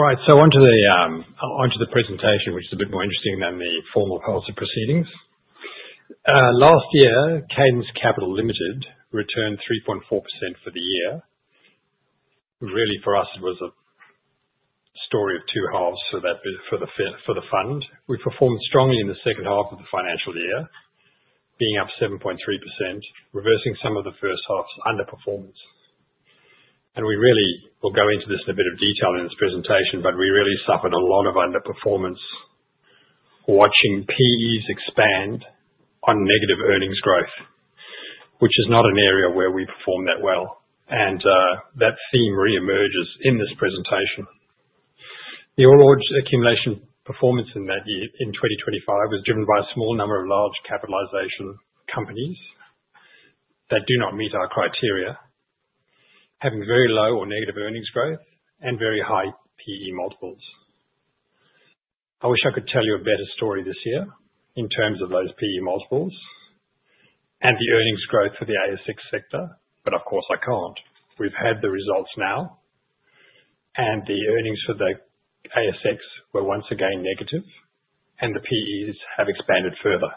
All right, so onto the presentation, which is a bit more interesting than the formal policy proceedings. Last year, Cadence Capital Limited returned 3.4% for the year. Really, for us, it was a story of two halves for the fund. We performed strongly in the second half of the financial year, being up 7.3%, reversing some of the first half's underperformance. And we really will go into this in a bit of detail in this presentation, but we really suffered a lot of underperformance watching PEs expand on negative earnings growth, which is not an area where we perform that well. And that theme reemerges in this presentation. The overall accumulation performance in 2025 was driven by a small number of large capitalization companies that do not meet our criteria, having very low or negative earnings growth and very high PE multiples. I wish I could tell you a better story this year in terms of those PE multiples and the earnings growth for the ASX sector, but of course, I can't. We've had the results now, and the earnings for the ASX were once again negative, and the PEs have expanded further.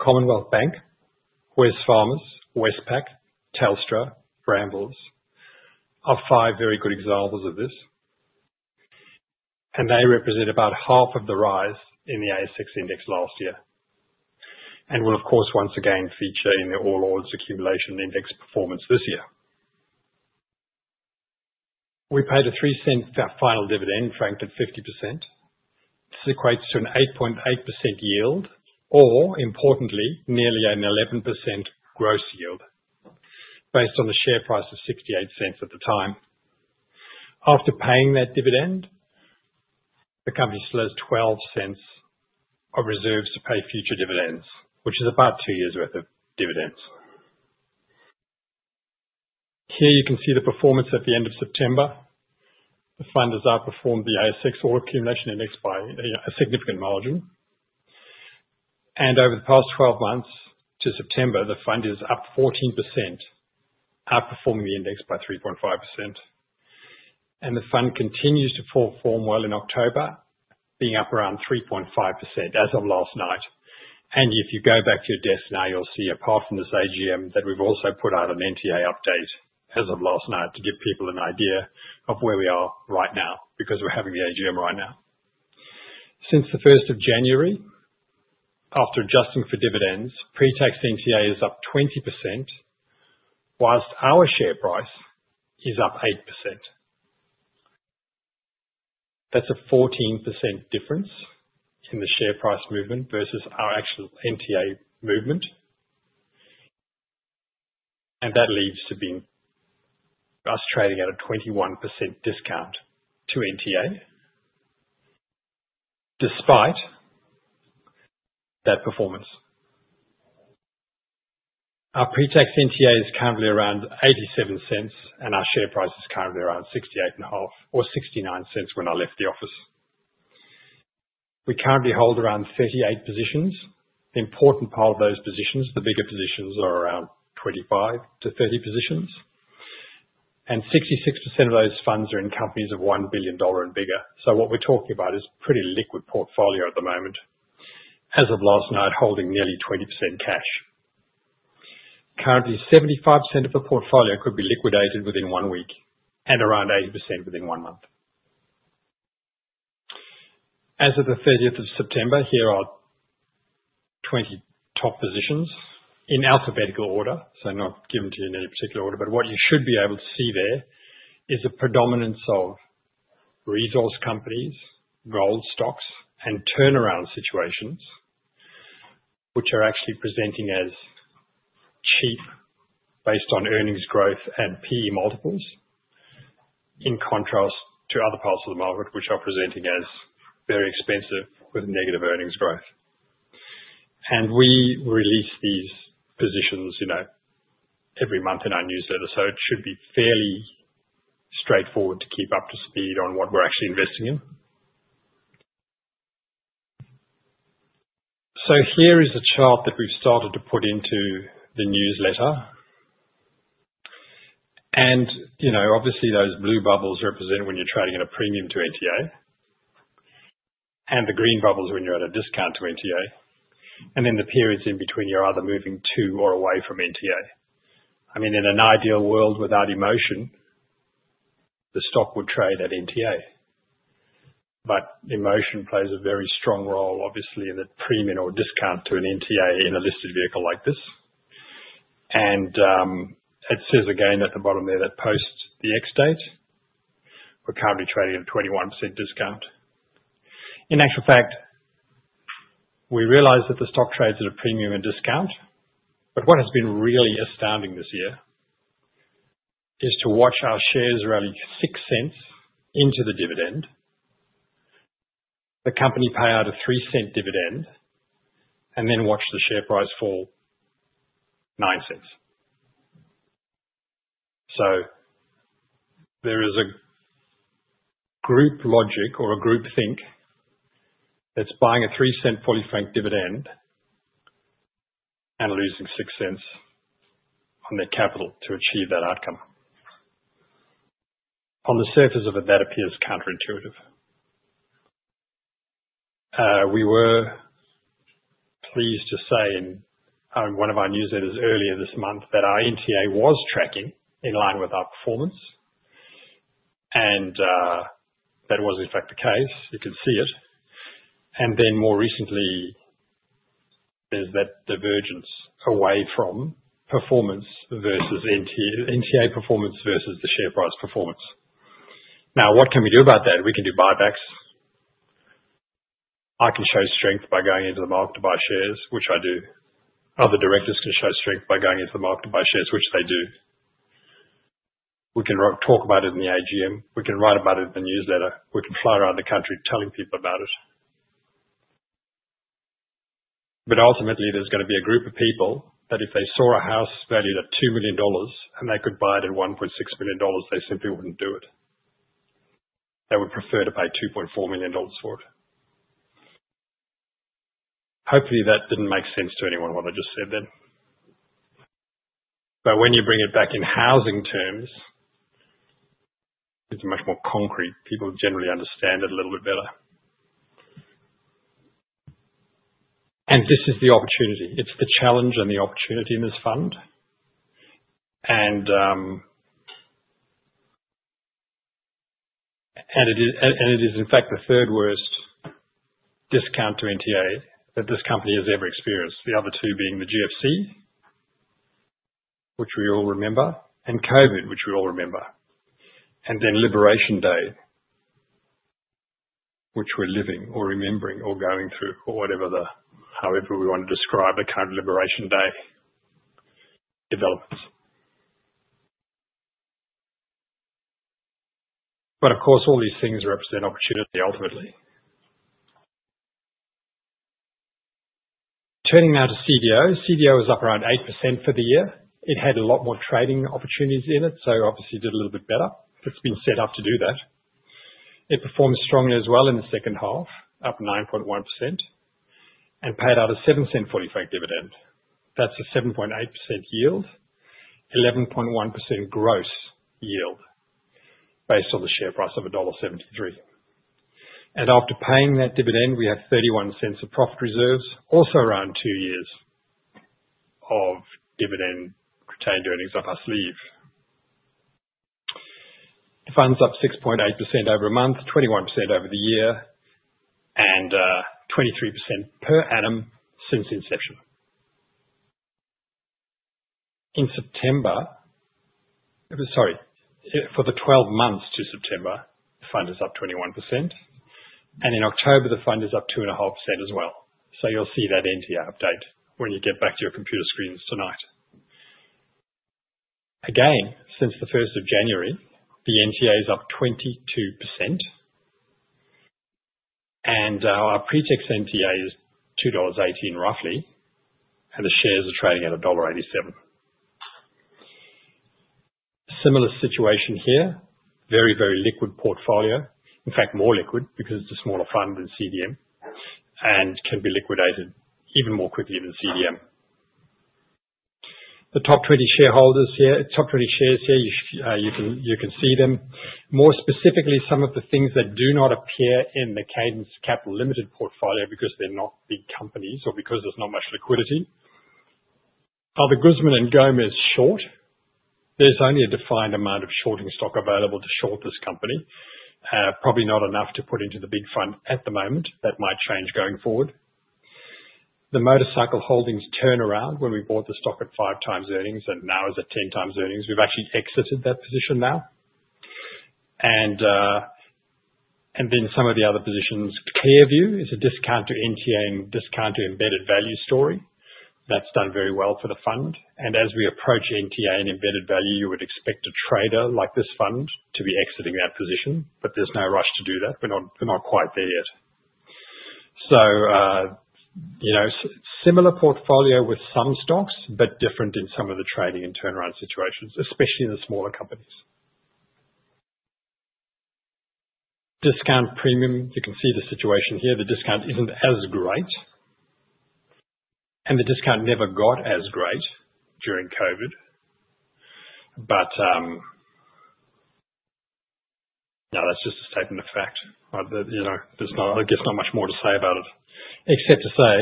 Commonwealth Bank, Wesfarmers, Westpac, Telstra, Brambles are five very good examples of this, and they represent about half of the rise in the ASX index last year and will, of course, once again feature in the All Ordinaries Accumulation Index performance this year. We paid a 0.03 final dividend, franked at 50%. This equates to an 8.8% yield or, importantly, nearly an 11% gross yield based on the share price of 0.68 at the time. After paying that dividend, the company still has 0.12 of reserves to pay future dividends, which is about two years' worth of dividends. Here you can see the performance at the end of September. The fund has outperformed the ASX All Ordinaries Accumulation Index by a significant margin. And over the past 12 months to September, the fund is up 14%, outperforming the index by 3.5%. And the fund continues to perform well in October, being up around 3.5% as of last night. And if you go back to your desk now, you'll see, apart from this AGM, that we've also put out an NTA update as of last night to give people an idea of where we are right now because we're having the AGM right now. Since the 1st of January, after adjusting for dividends, pre-tax NTA is up 20%, while our share price is up 8%. That's a 14% difference in the share price movement versus our actual NTA movement. And that leads to us trading at a 21% discount to NTA despite that performance. Our pre-tax NTA is currently around 0.87, and our share price is currently around 0.685 or 0.69 when I left the office. We currently hold around 38 positions. The important part of those positions, the bigger positions, are around 25-30 positions and 66% of those funds are in companies of 1 billion dollar and bigger. So what we're talking about is a pretty liquid portfolio at the moment, as of last night, holding nearly 20% cash. Currently, 75% of the portfolio could be liquidated within one week and around 80% within one month. As of the 30th of September, here are 20 top positions in alphabetical order, so not given to you in any particular order, but what you should be able to see there is a predominance of resource companies, gold stocks, and turnaround situations, which are actually presenting as cheap based on earnings growth and PE multiples, in contrast to other parts of the market, which are presenting as very expensive with negative earnings growth. And we release these positions every month in our newsletter, so it should be fairly straightforward to keep up to speed on what we're actually investing in. So here is a chart that we've started to put into the newsletter. And obviously, those blue bubbles represent when you're trading at a premium to NTA, and the green bubbles are when you're at a discount to NTA. And then the periods in between you're either moving to or away from NTA. I mean, in an ideal world without emotion, the stock would trade at NTA. But emotion plays a very strong role, obviously, in the premium or discount to an NTA in a listed vehicle like this. And it says again at the bottom there that post the Ex-date, we're currently trading at a 21% discount. In actual fact, we realized that the stock trades at a premium and discount, but what has been really astounding this year is to watch our shares rally 0.06 into the dividend, the company pay out a 0.03 dividend, and then watch the share price fall 0.09. So there is a group logic or a group think that's buying a 0.03 fully franked dividend and losing 0.06 on their capital to achieve that outcome. On the surface of it, that appears counterintuitive. We were pleased to say in one of our newsletters earlier this month that our NTA was tracking in line with our performance, and that was, in fact, the case. You can see it, and then more recently, there's that divergence away from performance versus NTA performance versus the share price performance. Now, what can we do about that? We can do buybacks. I can show strength by going into the market to buy shares, which I do. Other directors can show strength by going into the market to buy shares, which they do. We can talk about it in the AGM. We can write about it in the newsletter. We can fly around the country telling people about it. But ultimately, there's going to be a group of people that if they saw a house valued at 2 million dollars and they could buy it at 1.6 million dollars, they simply wouldn't do it. They would prefer to pay 2.4 million dollars for it. Hopefully, that didn't make sense to anyone, what I just said then. But when you bring it back in housing terms, it's much more concrete. People generally understand it a little bit better. And this is the opportunity. It's the challenge and the opportunity in this fund. And it is, in fact, the third worst discount to NTA that this company has ever experienced, the other two being the GFC, which we all remember, and COVID, which we all remember, and then Liberation Day, which we're living or remembering or going through or whatever we want to describe the kind of Liberation Day developments. But of course, all these things represent opportunity ultimately. Turning now to CDO, CDO is up around 8% for the year. It had a lot more trading opportunities in it, so obviously did a little bit better. It's been set up to do that. It performed strongly as well in the second half, up 9.1%, and paid out a AUD 0.07 fully franked dividend. That's a 7.8% yield, 11.1% gross yield based on the share price of dollar 1.73. And after paying that dividend, we have 0.31 of profit reserves, also around two years of dividend retained earnings up our sleeve. The fund's up 6.8% over a month, 21% over the year, and 23% per annum since inception. In September, sorry, for the 12 months to September, the fund is up 21%. And in October, the fund is up 2.5% as well. So you'll see that NTA update when you get back to your computer screens tonight. Again, since the 1st of January, the NTA is up 22%. And our pre-tax NTA is 2.18 dollars roughly, and the shares are trading at dollar 1.87. Similar situation here, very, very liquid portfolio. In fact, more liquid because it's a smaller fund than CDM and can be liquidated even more quickly than CDM. The top 20 shareholders here, top 20 shares here, you can see them. More specifically, some of the things that do not appear in the Cadence Capital Limited portfolio because they're not big companies or because there's not much liquidity. Other Guzman y Gomez short, there's only a defined amount of shorting stock available to short this company, probably not enough to put into the big fund at the moment. That might change going forward. The Motorcycle Holdings turnaround, when we bought the stock at 5x earnings and now is at 10x earnings. We've actually exited that position now, and then some of the other positions. ClearView is a discount to NTA and discount to embedded value story. That's done very well for the fund, and as we approach NTA and embedded value, you would expect a trader like this fund to be exiting that position, but there's no rush to do that. We're not quite there yet, so similar portfolio with some stocks, but different in some of the trading and turnaround situations, especially in the smaller companies. Discount premium. You can see the situation here. The discount isn't as great, and the discount never got as great during COVID, but now that's just a statement of fact. There's not much more to say about it, except to say,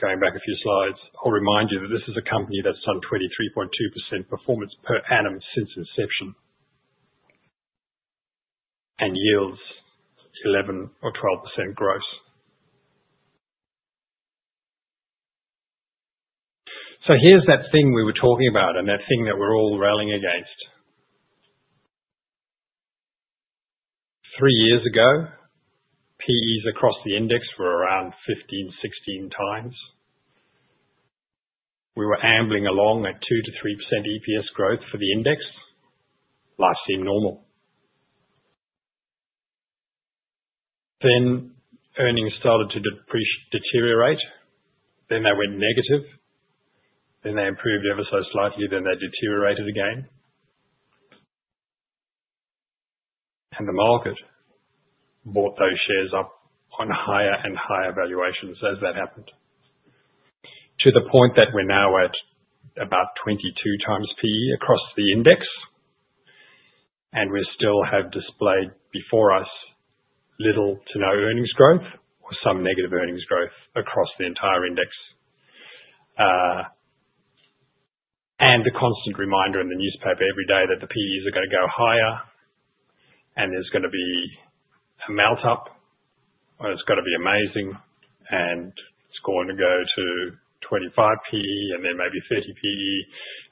going back a few slides, I'll remind you that this is a company that's done 23.2% performance per annum since inception and yields 11% or 12% gross, so here's that thing we were talking about and that thing that we're all rallying against. Three years ago, PEs across the index were around 15x-16x. We were ambling along at 2%-3% EPS growth for the index. Life seemed normal. Then earnings started to deteriorate, then they went negative, then they improved ever so slightly, then they deteriorated again, and the market bought those shares up on higher and higher valuations as that happened, to the point that we're now at about 22x PE across the index. And we still have displayed before us little to no earnings growth or some negative earnings growth across the entire index. And the constant reminder in the newspaper every day that the PEs are going to go higher and there's going to be a melt-up or it's going to be amazing and it's going to go to 25 PE and then maybe 30 PE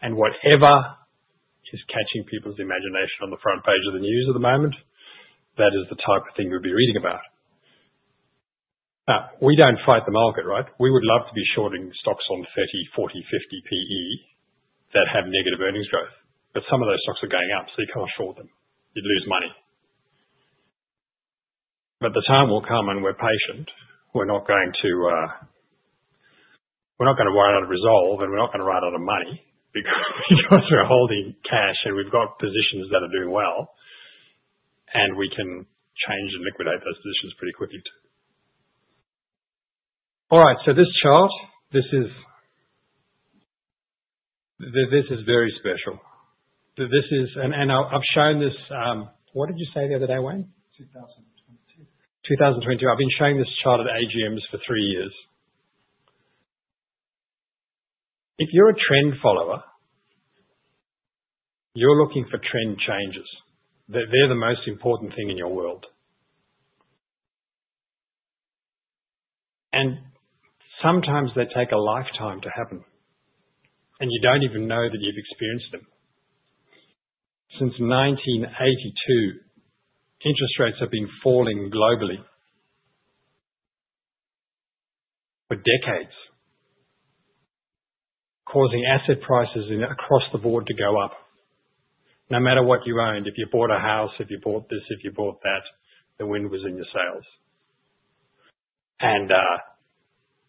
and whatever is catching people's imagination on the front page of the news at the moment, that is the type of thing we'd be reading about. Now, we don't fight the market, right? We would love to be shorting stocks on 30, 40, 50 PE that have negative earnings growth. But some of those stocks are going up, so you can't short them. You'd lose money. But the time will come and we're patient. We're not going to worry about a revolt, and we're not going to run out of money because we're holding cash and we've got positions that are doing well, and we can change and liquidate those positions pretty quickly too. All right, so this chart, this is very special, and I've shown this, what did you say the other day, Wayne? 2022. 2022. I've been showing this chart at AGMs for three years. If you're a trend follower, you're looking for trend changes. They're the most important thing in your world, and sometimes they take a lifetime to happen, and you don't even know that you've experienced them. Since 1982, interest rates have been falling globally for decades, causing asset prices across the board to go up. No matter what you earned, if you bought a house, if you bought this, if you bought that, the wind was in your sails, and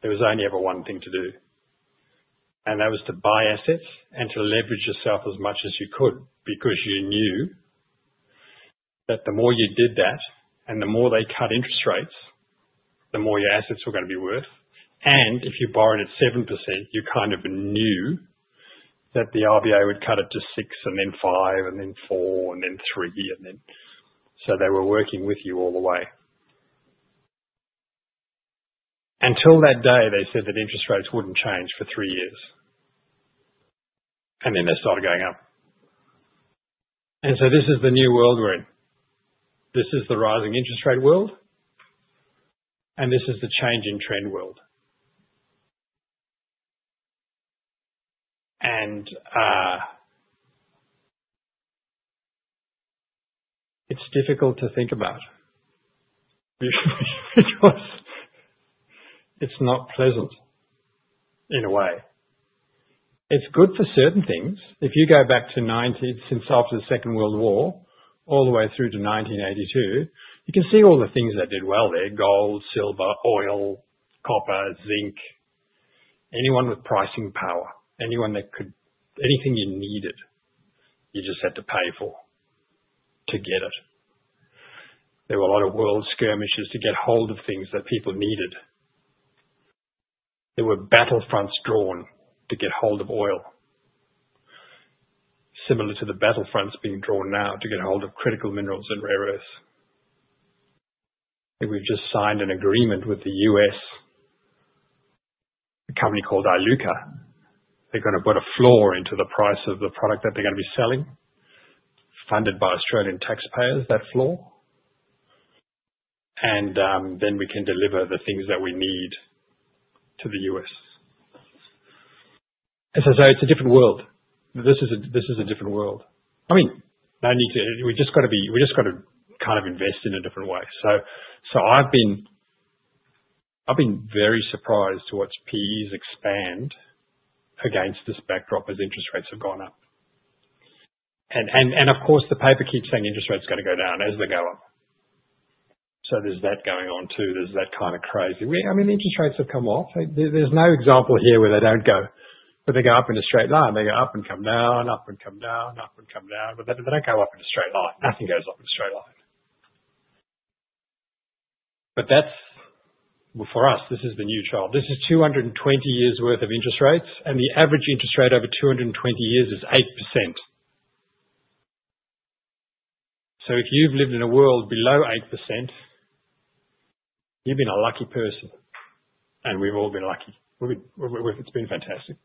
there was only ever one thing to do, and that was to buy assets and to leverage yourself as much as you could because you knew that the more you did that and the more they cut interest rates, the more your assets were going to be worth. And if you borrowed at 7%, you kind of knew that the RBA would cut it to 6% and then 5% and then 4% and then 3%. So they were working with you all the way. Until that day, they said that interest rates wouldn't change for three years, and then they started going up. And so this is the new world we're in. This is the rising interest rate world, and this is the changing trend world. And it's difficult to think about because it's not pleasant in a way. It's good for certain things. If you go back to 1990s since after the Second World War all the way through to 1992, you can see all the things that did well there: gold, silver, oil, copper, zinc, anyone with pricing power, anything you needed, you just had to pay for to get it. There were a lot of world skirmishes to get hold of things that people needed. There were battlefronts drawn to get hold of oil, similar to the battlefronts being drawn now to get hold of critical minerals and rare earths. We've just signed an agreement with the U.S., a company called Iluka. They're going to put a floor into the price of the product that they're going to be selling, funded by Australian taxpayers, that floor. And then we can deliver the things that we need to the U.S. And so it's a different world. This is a different world. I mean, we've just got to kind of invest in a different way. So I've been very surprised to watch PEs expand against this backdrop as interest rates have gone up. And of course, the paper keeps saying interest rates are going to go down as they go up. So there's that going on too. There's that kind of crazy. I mean, interest rates have come off. There's no example here where they don't go. But they go up in a straight line. They go up and come down, up and come down, up and come down. But they don't go up in a straight line. Nothing goes up in a straight line. But for us, this is the new chart. This is 220 years' worth of interest rates, and the average interest rate over 220 years is 8%. So if you've lived in a world below 8%, you've been a lucky person. And we've all been lucky. It's been fantastic.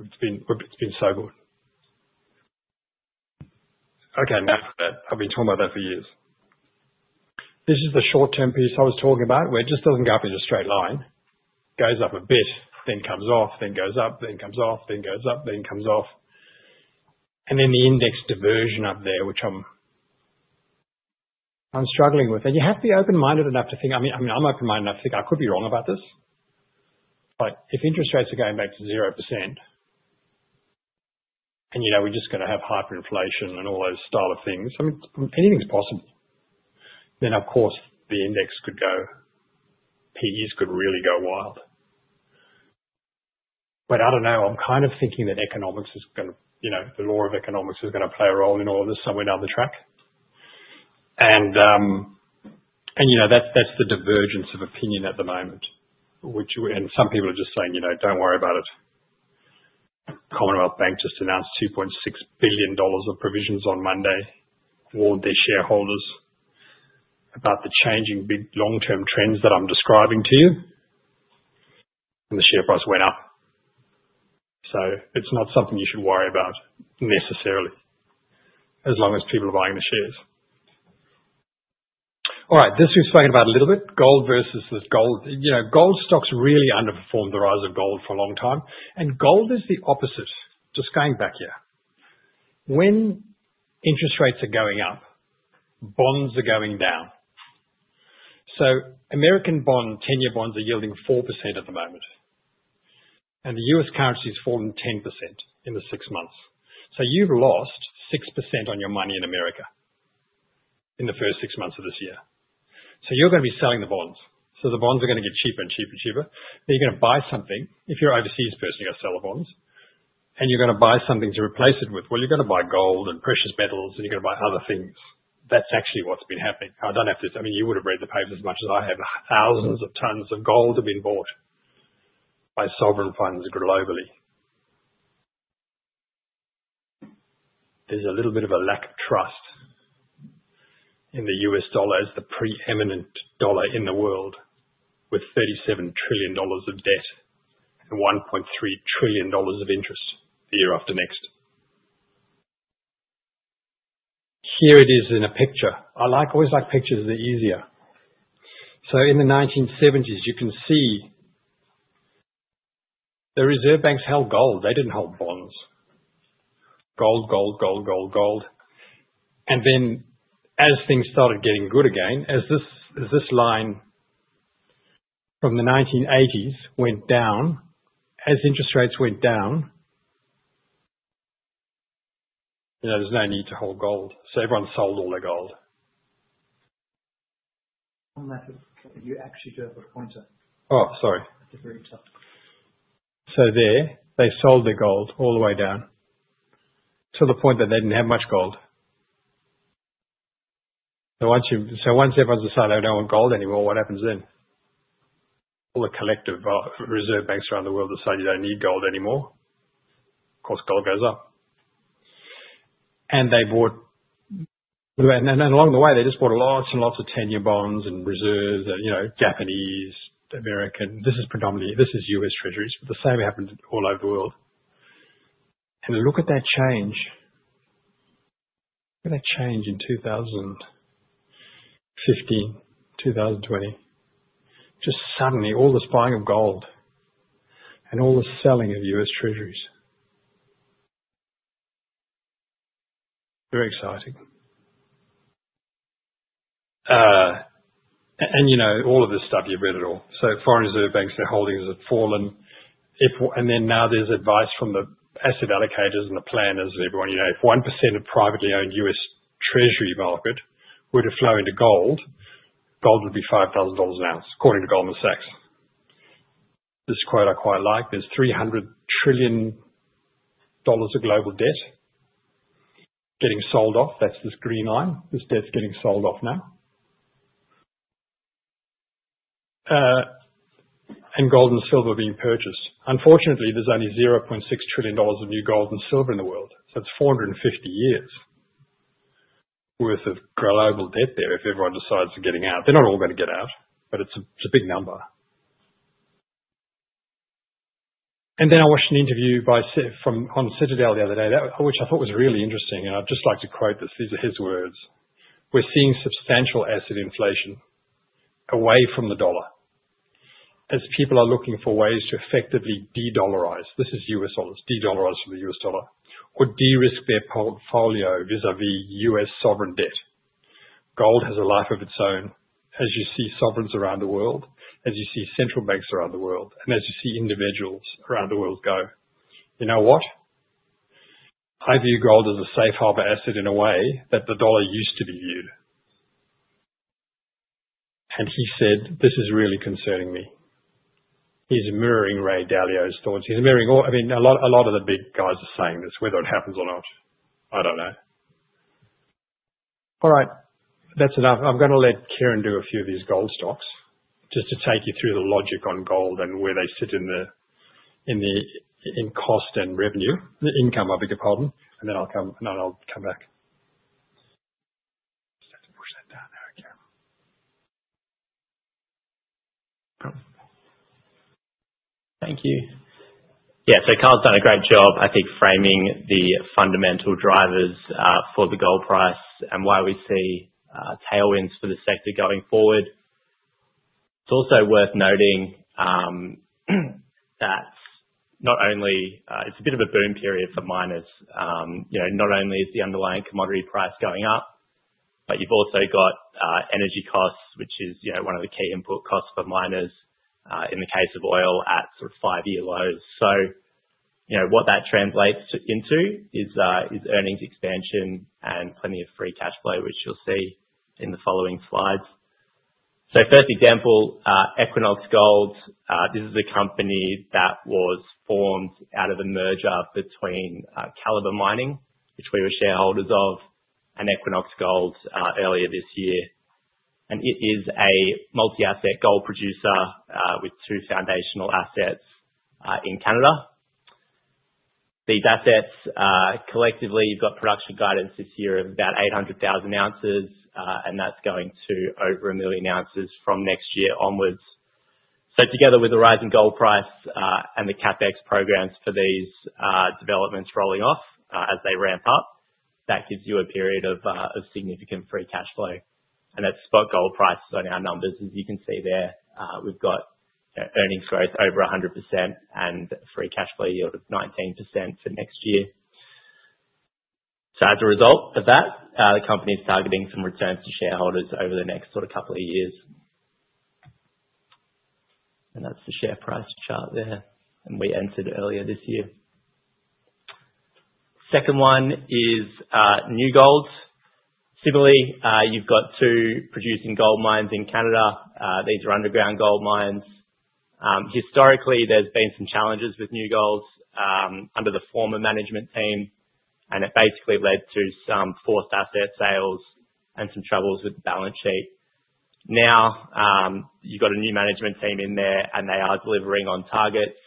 It's been so good. Okay, now for that. I've been talking about that for years. This is the short-term piece I was talking about where it just doesn't go up in a straight line. It goes up a bit, then comes off, then goes up, then comes off, then goes up, then comes off. And then the index divergence up there, which I'm struggling with. And you have to be open-minded enough to think, I mean, I'm open-minded enough to think I could be wrong about this. But if interest rates are going back to 0% and we're just going to have hyperinflation and all those sorts of things, I mean, anything's possible. Then, of course, the index could go, PEs could really go wild. But I don't know. I'm kind of thinking that economics is going to, the law of economics is going to play a role in all of this somewhere down the track. And that's the divergence of opinion at the moment. Some people are just saying, "Don't worry about it." Commonwealth Bank just announced 2.6 billion dollars of provisions on Monday, warned their shareholders about the changing big long-term trends that I'm describing to you. The share price went up. It's not something you should worry about necessarily as long as people are buying the shares. All right, this we've spoken about a little bit, gold versus gold. Gold stocks really underperformed the rise of gold for a long time. Gold is the opposite. Just going back here. When interest rates are going up, bonds are going down. American bond, 10-year bonds are yielding 4% at the moment. The U.S. currency has fallen 10% in the six months. You've lost 6% on your money in America in the first six months of this year. You're going to be selling the bonds. So the bonds are going to get cheaper and cheaper and cheaper. But you're going to buy something. If you're an overseas person, you're going to sell the bonds. And you're going to buy something to replace it with. Well, you're going to buy gold and precious metals, and you're going to buy other things. That's actually what's been happening. I don't have to, I mean, you would have read the papers as much as I have. Thousands of tons of gold have been bought by sovereign funds globally. There's a little bit of a lack of trust in the U.S. dollar as the preeminent dollar in the world with $37 trillion of debt and $1.3 trillion of interest year after next. Here it is in a picture. I always like pictures. They're easier. So in the 1970s, you can see the Reserve Banks held gold. They didn't hold bonds. Gold, gold, gold, gold, gold, and then as things started getting good again, as this line from the 1980s went down, as interest rates went down, there's no need to hold gold, so everyone sold all their gold. You actually do have a pointer. Oh, sorry. At the very top. So there, they sold their gold all the way down to the point that they didn't have much gold. So once everyone's decided, "I don't want gold anymore," what happens then? All the collective Reserve Banks around the world decide you don't need gold anymore. Of course, gold goes up. And they bought and along the way, they just bought lots and lots of 10-year bonds and reserves and Japanese, American. This is U.S. Treasuries, but the same happened all over the world. And look at that change. Look at that change in 2015, 2020. Just suddenly, all this buying of gold and all the selling of U.S. Treasuries. Very exciting. And all of this stuff, you've read it all. So foreign reserve banks, their holdings have fallen. And then now there's advice from the asset allocators and the planners and everyone. If 1% of privately owned U.S. treasury market were to flow into gold, gold would be $5,000 an ounce, according to Goldman Sachs. This quote I quite like. There's $300 trillion of global debt getting sold off. That's this green line. This debt's getting sold off now. And gold and silver are being purchased. Unfortunately, there's only $0.6 trillion of new gold and silver in the world. So it's 450 years' worth of global debt there if everyone decides to get out. They're not all going to get out, but it's a big number. And then I watched an interview from on Citadel the other day, which I thought was really interesting. And I'd just like to quote this. These are his words. "We're seeing substantial asset inflation away from the dollar as people are looking for ways to effectively de-dollarize." This is U.S. dollars, de-dollarize from the U.S. dollar. Or de-risk their portfolio vis-à-vis U.S. sovereign debt. Gold has a life of its own as you see sovereigns around the world, as you see central banks around the world, and as you see individuals around the world go. You know what? I view gold as a safe harbor asset in a way that the dollar used to be viewed." And he said, "This is really concerning me." He's mirroring Ray Dalio's thoughts. He's mirroring all - I mean, a lot of the big guys are saying this, whether it happens or not. I don't know. All right. That's enough. I'm going to let Kieran do a few of these gold stocks just to take you through the logic on gold and where they sit in cost and revenue. The income will be the problem. And then I'll come back. Thank you. Yeah, so Karl's done a great job, I think, framing the fundamental drivers for the gold price and why we see tailwinds for the sector going forward. It's also worth noting that not only, it's a bit of a boom period for miners. Not only is the underlying commodity price going up, but you've also got energy costs, which is one of the key input costs for miners in the case of oil at sort of five-year lows. So what that translates into is earnings expansion and plenty of free cash flow, which you'll see in the following slides. So first example, Equinox Gold. This is a company that was formed out of a merger between Calibre Mining, which we were shareholders of, and Equinox Gold earlier this year, and it is a multi-asset gold producer with two foundational assets in Canada. These assets collectively have got production guidance this year of about 800,000 ounces, and that's going to over a million ounces from next year onwards. So together with the rising gold price and the CapEx programs for these developments rolling off as they ramp up, that gives you a period of significant free cash flow. And that's spot gold prices on our numbers, as you can see there. We've got earnings growth over 100% and free cash flow yield of 19% for next year. So as a result of that, the company is targeting some returns to shareholders over the next sort of couple of years. And that's the share price chart there. And we entered earlier this year. Second one is New Gold. Similarly, you've got two producing gold mines in Canada. These are underground gold mines. Historically, there's been some challenges with New Gold under the former management team, and it basically led to some forced asset sales and some troubles with the balance sheet. Now you've got a new management team in there, and they are delivering on targets,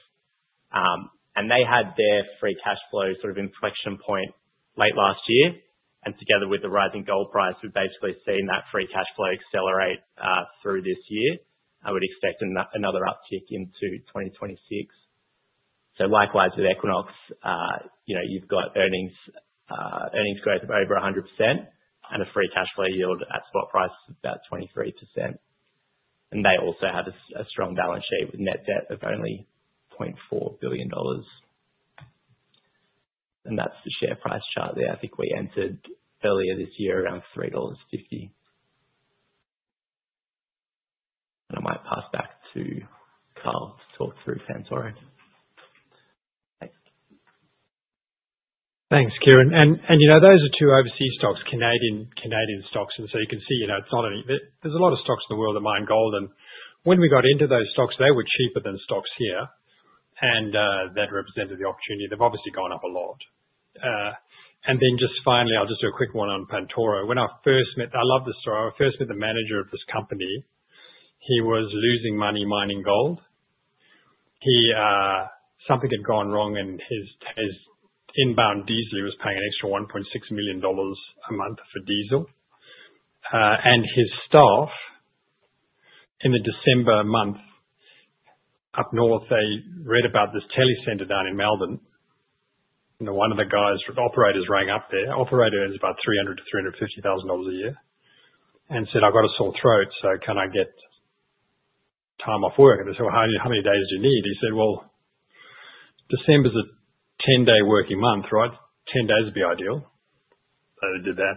and they had their free cash flow sort of inflection point late last year, and together with the rising gold price, we've basically seen that free cash flow accelerate through this year. I would expect another uptick into 2026, so likewise with Equinox, you've got earnings growth of over 100% and a free cash flow yield at spot price of about 23%, and they also have a strong balance sheet with net debt of only 0.4 billion dollars, and that's the share price chart there. I think we entered earlier this year around 3.50 dollars, and I might pass back to Karl to talk through. Thanks. Thanks, Kieran. And those are two overseas stocks, Canadian stocks. And so you can see it's not any. There's a lot of stocks in the world that mine gold. And when we got into those stocks, they were cheaper than stocks here. And then just finally, I'll just do a quick one on Pantoro. When I first met, I love this story. When I first met the manager of this company, he was losing money mining gold. Something had gone wrong, and his inbound diesel was paying an extra 1.6 million dollars a month for diesel. And his staff, in the December month up north, they read about this call center down in Melbourne. One of the operators rang up there. Operator is about 300,000-350,000 dollars a year. And said, "I've got a sore throat, so can I get time off work?" And they said, "Well, how many days do you need?" He said, "Well, December's a 10-day working month, right? 10 days would be ideal." They did that.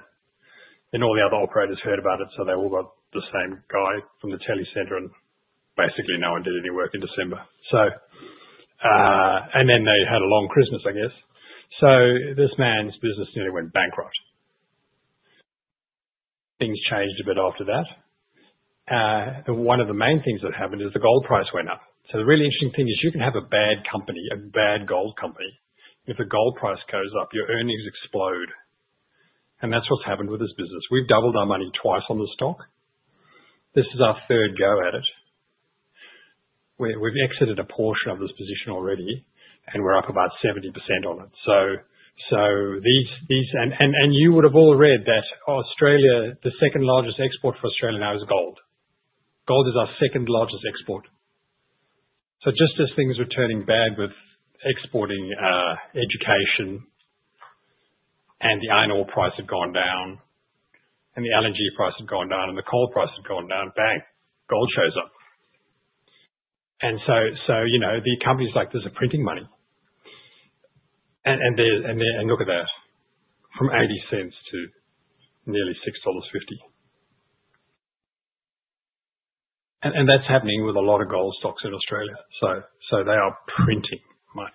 And all the other operators heard about it, so they all got the same guy from the tele-centre, and basically no one did any work in December. And then they had a long Christmas, I guess. So this man's business nearly went bankrupt. Things changed a bit after that. One of the main things that happened is the gold price went up. So the really interesting thing is you can have a bad company, a bad gold company. If the gold price goes up, your earnings explode. And that's what's happened with this business. We've doubled our money twice on the stock. This is our third go at it. We've exited a portion of this position already, and we're up about 70% on it. And you would have all read that Australia, the second largest export for Australia now is gold. Gold is our second largest export. So just as things were turning bad with exporting education and the iron ore price had gone down, and the LNG price had gone down, and the coal price had gone down, bang, gold shows up. And so the companies like this are printing money. And look at that, from 0.80 to nearly 6.50 dollars. And that's happening with a lot of gold stocks in Australia. So they are printing money.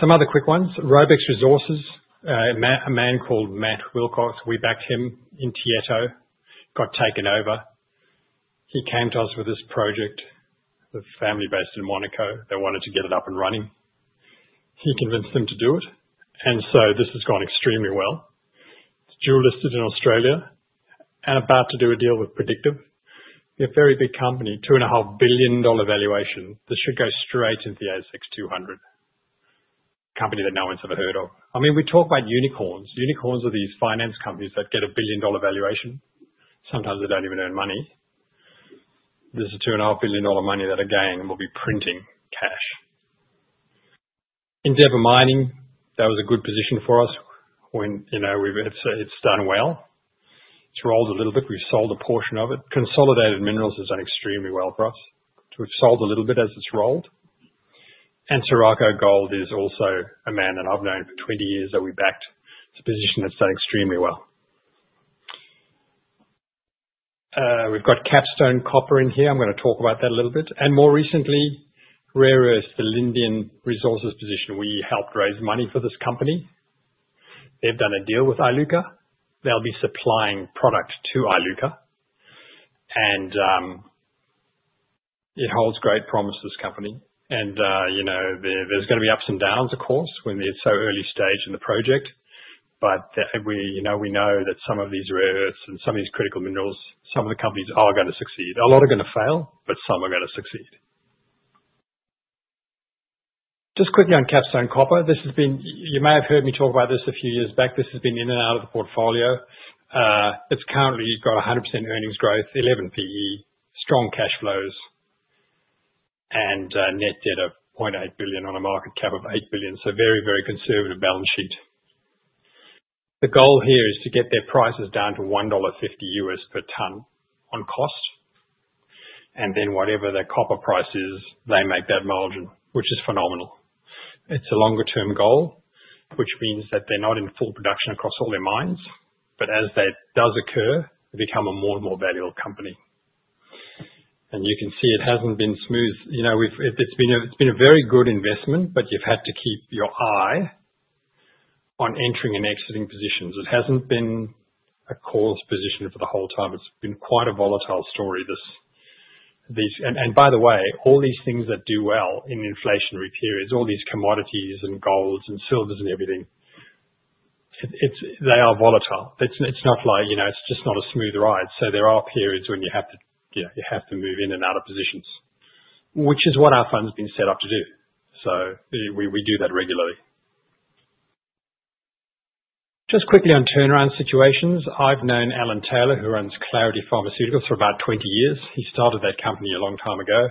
Some other quick ones. Robex Resources, a man called Matt Wilcox, we backed him in Tietto, got taken over. He came to us with this project. The family based in Monaco. They wanted to get it up and running. He convinced them to do it. And so this has gone extremely well. It's dual-listed in Australia and about to do a deal with Predictive. They're a very big company, 2.5 billion dollar valuation. This should go straight into the ASX 200. Company that no one's ever heard of. I mean, we talk about unicorns. Unicorns are these finance companies that get a billion-dollar valuation. Sometimes they don't even earn money. This is 2.5 billion dollar money that a gang will be printing cash. Endeavour Mining, that was a good position for us when it's done well. It's rolled a little bit. We've sold a portion of it. Consolidated Minerals has done extremely well for us. We've sold a little bit as it's rolled. And Soraco Gold is also a man that I've known for 20 years that we backed. It's a position that's done extremely well. We've got Capstone Copper in here. I'm going to talk about that a little bit, and more recently, rare earth, the Lindian Resources position, we helped raise money for this company. They've done a deal with Iluka. They'll be supplying product to Iluka, and it holds great promise, this company, and there's going to be ups and downs, of course, when they're so early stage in the project, but we know that some of these rare earths and some of these critical minerals, some of the companies are going to succeed. A lot are going to fail, but some are going to succeed. Just quickly on Capstone Copper, this has been, you may have heard me talk about this a few years back. This has been in and out of the portfolio. It's currently got 100% earnings growth, 11 PE, strong cash flows, and net debt of $0.8 billion on a market cap of $8 billion. So very, very conservative balance sheet. The goal here is to get their prices down to $1.50 per ton on cost. And then whatever their copper price is, they make that margin, which is phenomenal. It's a longer-term goal, which means that they're not in full production across all their mines. But as that does occur, they become a more and more valuable company. And you can see it hasn't been smooth. It's been a very good investment, but you've had to keep your eye on entering and exiting positions. It hasn't been a core position for the whole time. It's been quite a volatile story. And by the way, all these things that do well in inflationary periods, all these commodities and golds and silvers and everything, they are volatile. It's not like it's just not a smooth ride. So there are periods when you have to move in and out of positions, which is what our fund's been set up to do. So we do that regularly. Just quickly on turnaround situations, I've known Alan Taylor, who runs Clarity Pharmaceuticals for about 20 years. He started that company a long time ago.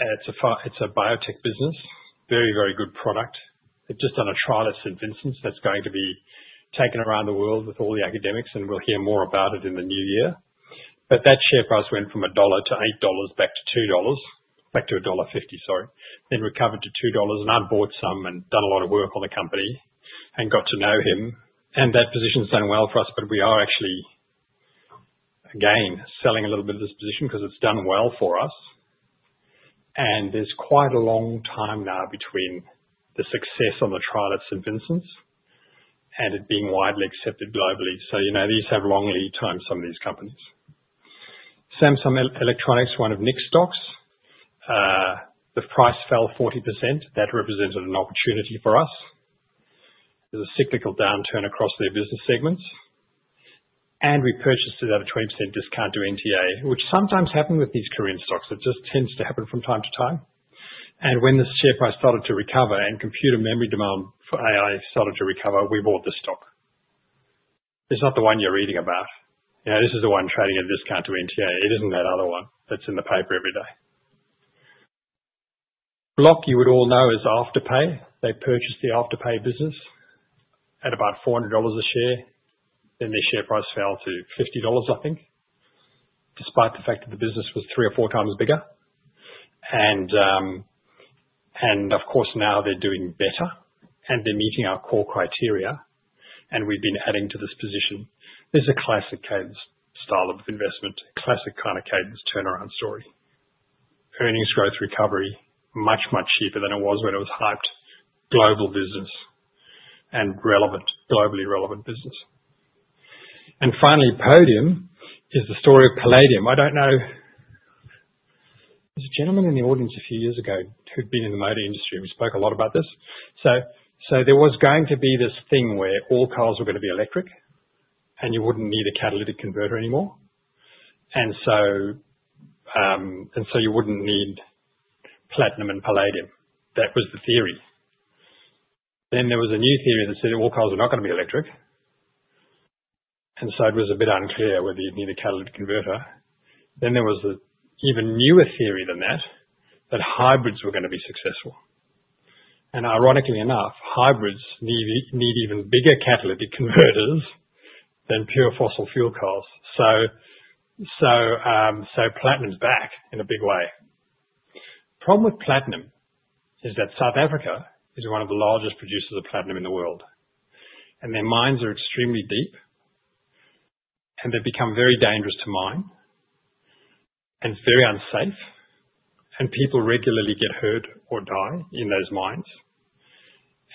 It's a biotech business, very, very good product. They've just done a trial at St. Vincent's that's going to be taken around the world with all the academics, and we'll hear more about it in the new year. But that share price went from AUD 1 to 8 dollars back to 2 dollars, back to dollar 1.50, sorry, then recovered to 2 dollars. And I've bought some and done a lot of work on the company and got to know him. And that position's done well for us, but we are actually, again, selling a little bit of this position because it's done well for us. And there's quite a long time now between the success on the trial at St. Vincent's and it being widely accepted globally. So these have long lead times, some of these companies. Samsung Electronics, one of Nick's stocks. The price fell 40%. That represented an opportunity for us. There's a cyclical downturn across their business segments. And we purchased it at a 20% discount to NTA, which sometimes happens with these Korean stocks. It just tends to happen from time to time. And when the share price started to recover and computer memory demand for AI started to recover, we bought this stock. It's not the one you're reading about. This is the one trading at a discount to NTA. It isn't that other one that's in the paper every day. Block, you would all know, is Afterpay. They purchased the Afterpay business at about $400 a share. Then their share price fell to $50, I think, despite the fact that the business was three or four times bigger, and of course, now they're doing better, and they're meeting our core criteria, and we've been adding to this position. This is a classic cadence style of investment, classic kind of cadence turnaround story, earnings growth recovery, much, much cheaper than it was when it was hyped, global business and globally relevant business, and finally, Podium is the story of Palladium. I don't know. There's a gentleman in the audience a few years ago who'd been in the motor industry. We spoke a lot about this, so there was going to be this thing where all cars were going to be electric, and you wouldn't need a catalytic converter anymore, and so you wouldn't need platinum and palladium, that was the theory, then there was a new theory that said all cars were not going to be electric, and so it was a bit unclear whether you'd need a catalytic converter, then there was an even newer theory than that, that hybrids were going to be successful, and ironically enough, hybrids need even bigger catalytic converters than pure fossil fuel cars, so platinum's back in a big way. The problem with platinum is that South Africa is one of the largest producers of platinum in the world, and their mines are extremely deep, and they become very dangerous to mine and very unsafe. People regularly get hurt or die in those mines.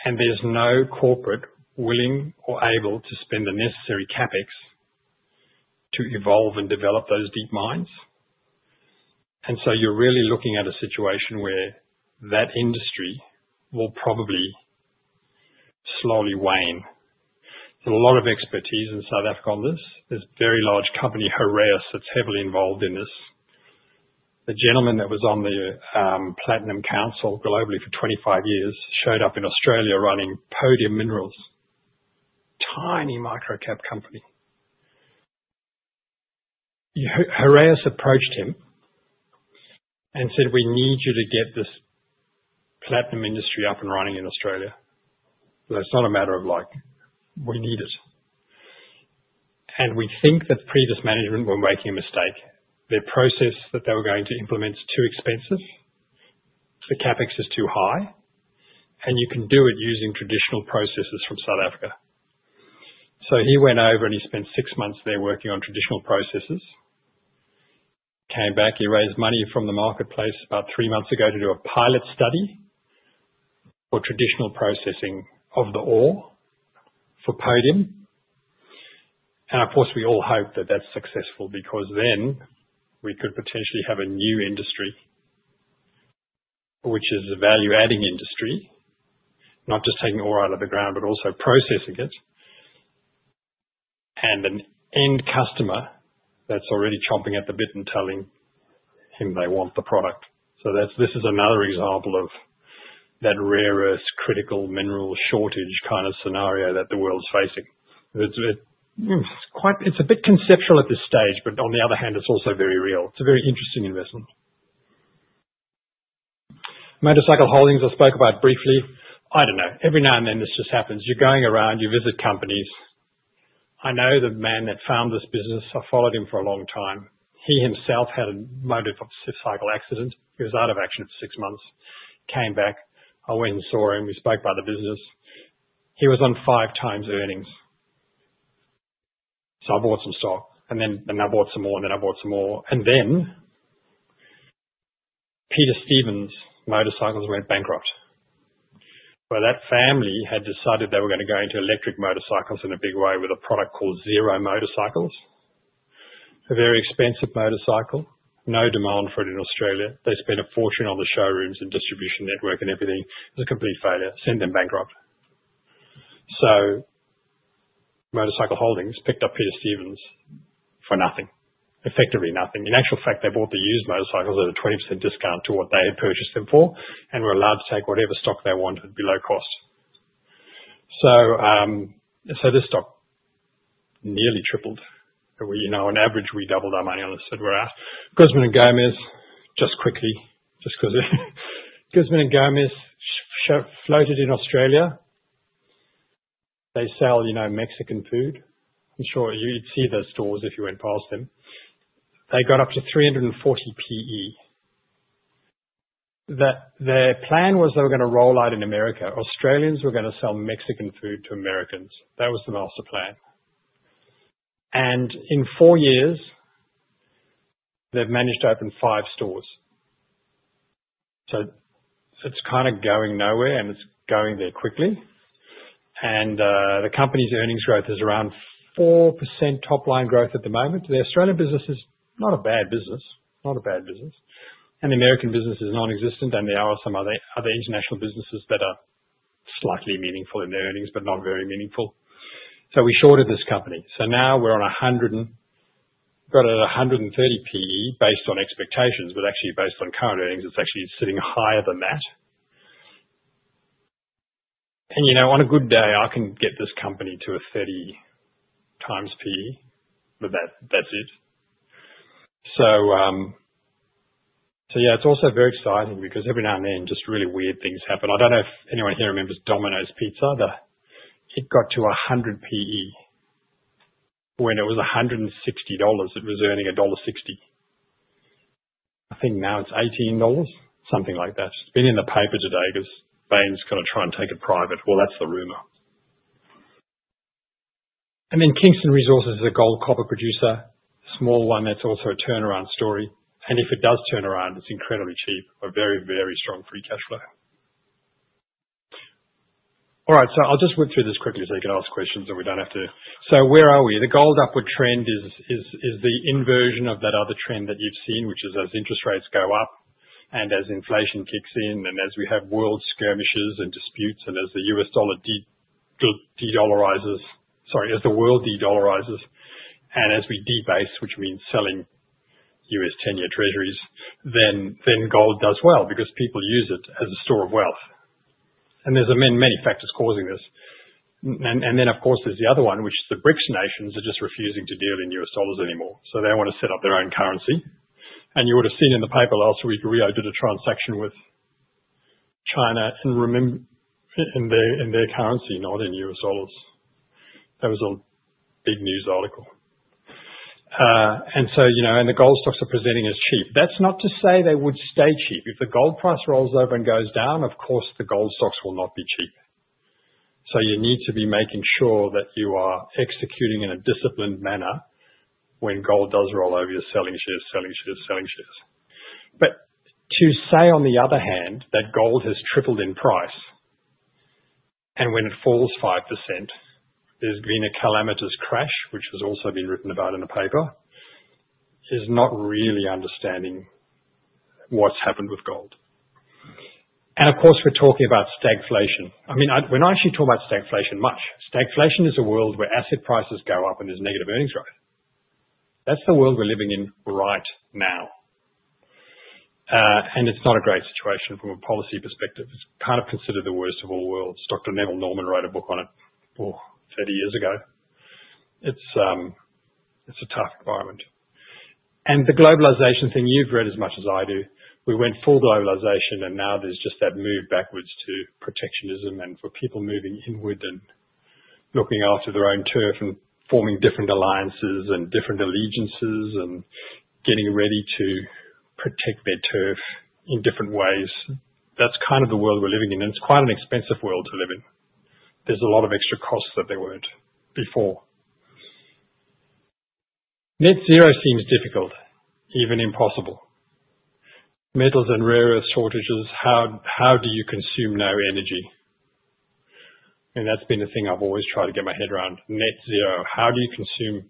There's no corporate willing or able to spend the necessary CapEx to evolve and develop those deep mines. You're really looking at a situation where that industry will probably slowly wane. There's a lot of expertise in South Africa on this. There's a very large company, Heraeus, that's heavily involved in this. The gentleman that was on the Platinum Council globally for 25 years showed up in Australia running Podium Minerals, a tiny micro-cap company. Heraeus approached him and said, "We need you to get this platinum industry up and running in Australia." That's not a matter of like, "We need it." We think that previous management were making a mistake. Their process that they were going to implement is too expensive. The CapEx is too high. You can do it using traditional processes from South Africa. He went over, and he spent six months there working on traditional processes. Came back. He raised money from the marketplace about three months ago to do a pilot study for traditional processing of the ore for Podium. Of course, we all hope that that's successful because then we could potentially have a new industry, which is a value-adding industry, not just taking ore out of the ground, but also processing it. An end customer that's already chomping at the bit and telling him they want the product. This is another example of that rare earth critical mineral shortage kind of scenario that the world's facing. It's a bit conceptual at this stage, but on the other hand, it's also very real. It's a very interesting investment. Motorcycle Holdings, I spoke about briefly. I don't know. Every now and then, this just happens. You're going around. You visit companies. I know the man that found this business. I followed him for a long time. He himself had a motorcycle accident. He was out of action for six months. Came back. I went and saw him. We spoke about the business. He was on five times earnings. So I bought some stock. And then I bought some more, and then I bought some more. And then Peter Stevens Motorcycles went bankrupt. Well, that family had decided they were going to go into electric motorcycles in a big way with a product called Zero Motorcycles. A very expensive motorcycle. No demand for it in Australia. They spent a fortune on the showrooms and distribution network and everything. It was a complete failure. Sent them bankrupt. So Motorcycle Holdings picked up Peter Stevens for nothing. Effectively nothing. In actual fact, they bought the used motorcycles at a 20% discount to what they had purchased them for and were allowed to take whatever stock they wanted below cost, so this stock nearly tripled. On average, we doubled our money on this that we're at. Guzman y Gomez, just quickly, just because Guzman y Gomez floated in Australia. They sell Mexican food. I'm sure you'd see their stores if you went past them. They got up to 340 PE. Their plan was they were going to roll out in America. Australians were going to sell Mexican food to Americans. That was the master plan and in four years, they've managed to open five stores, so it's kind of going nowhere, and it's going there quickly and the company's earnings growth is around 4% top-line growth at the moment. The Australian business is not a bad business. Not a bad business, and the American business is non-existent, and there are some other international businesses that are slightly meaningful in their earnings, but not very meaningful, so we shorted this company, so now we're at 130 PE based on expectations, but actually based on current earnings, it's actually sitting higher than that, and on a good day, I can get this company to a 30 times PE, but that's it, so yeah, it's also very exciting because every now and then, just really weird things happen. I don't know if anyone here remembers Domino's Pizza. It got to 100 PE when it was 160 dollars. It was earning dollar 1.60. I think now it's 18 dollars, something like that. It's been in the paper today because Bain Capital is going to try and take it private, well, that's the rumor. And then Kingston Resources is a gold copper producer, small one that's also a turnaround story. And if it does turn around, it's incredibly cheap. A very, very strong free cash flow. All right. So I'll just whip through this quickly so you can ask questions and we don't have to. So where are we? The gold upward trend is the inversion of that other trend that you've seen, which is as interest rates go up and as inflation kicks in and as we have world skirmishes and disputes and as the U.S. dollar de-dollarizes, sorry, as the world de-dollarizes and as we debase, which means selling U.S. 10-year treasuries, then gold does well because people use it as a store of wealth. And there's many factors causing this. And then, of course, there's the other one, which is the BRICS nations are just refusing to deal in U.S. dollars anymore. So they want to set up their own currency. And you would have seen in the paper last week, Rio did a transaction with China in their currency, not in U.S. dollars. That was a big news article. And the gold stocks are presenting as cheap. That's not to say they would stay cheap. If the gold price rolls over and goes down, of course, the gold stocks will not be cheap. So you need to be making sure that you are executing in a disciplined manner when gold does roll over, you're selling shares, selling shares, selling shares. But to say, on the other hand, that gold has tripled in price and when it falls 5%, there's been a calamitous crash, which has also been written about in the paper, is not really understanding what's happened with gold. And of course, we're talking about stagflation. I mean, we're not actually talking about stagflation much. Stagflation is a world where asset prices go up and there's negative earnings growth. That's the world we're living in right now. And it's not a great situation from a policy perspective. It's kind of considered the worst of all worlds. Dr. Neville Norman wrote a book on it 30 years ago. It's a tough environment. And the globalization thing, you've read as much as I do. We went full globalization, and now there's just that move backwards to protectionism and for people moving inward and looking after their own turf and forming different alliances and different allegiances and getting ready to protect their turf in different ways. That's kind of the world we're living in. And it's quite an expensive world to live in. There's a lot of extra costs that they weren't before. Net zero seems difficult, even impossible. Metals and rare earth shortages, how do you consume no energy? And that's been the thing I've always tried to get my head around. Net zero, how do you consume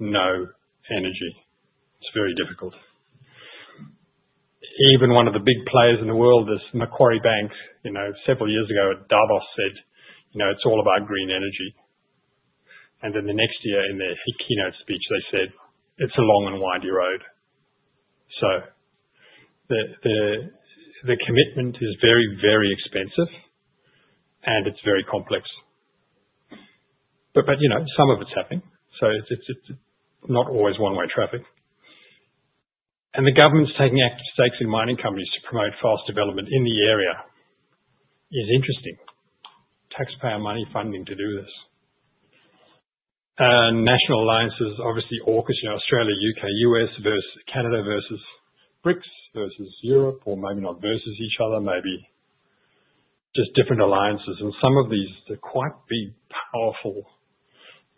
no energy? It's very difficult. Even one of the big players in the world, this Macquarie Bank, several years ago, Davos said, "It's all about green energy." And then the next year, in their keynote speech, they said, "It's a long and windy road." So the commitment is very, very expensive, and it's very complex. But some of it's happening. So it's not always one-way traffic. And the government's taking active stakes in mining companies to promote fast development in the area is interesting. Taxpayer money funding to do this. National alliances, obviously, AUKUS, Australia, U.K., U.S. versus Canada versus BRICS versus Europe, or maybe not versus each other, maybe just different alliances. And some of these are quite big, powerful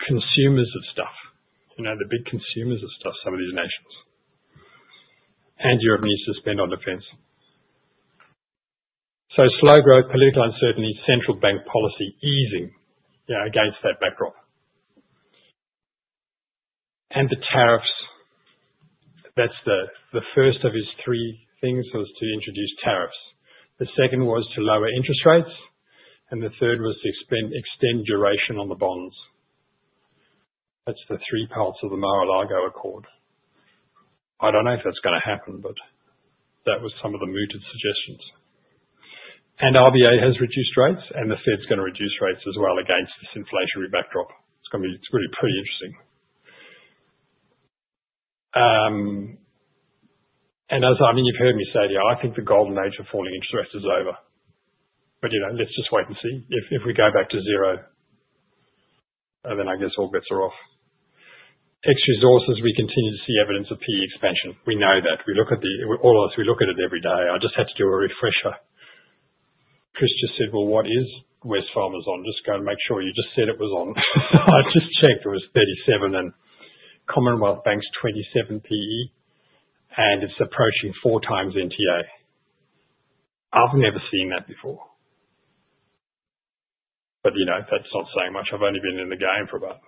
consumers of stuff. They're big consumers of stuff, some of these nations. And Europe needs to spend on defense. So slow growth, political uncertainty, central bank policy easing against that backdrop. And the tariffs. That's the first of his three things was to introduce tariffs. The second was to lower interest rates, and the third was to extend duration on the bonds. That's the three parts of the Mar-a-Lago Accord. I don't know if that's going to happen, but that was some of the mooted suggestions. And RBA has reduced rates, and the Fed's going to reduce rates as well against this inflationary backdrop. It's going to be pretty interesting. And I mean, you've heard me say, I think the golden age of falling interest rates is over. But let's just wait and see. If we go back to zero, then I guess all bets are off. Extra sources, we continue to see evidence of PE expansion. We know that. All of us, we look at it every day. I just had to do a refresher. Chris just said, "Well, what is Wesfarmers on?" Just going to make sure. You just said it was on. I just checked. It was 37, and Commonwealth Bank's 27 PE, and it's approaching four times NTA. I've never seen that before. But that's not saying much. I've only been in the game for about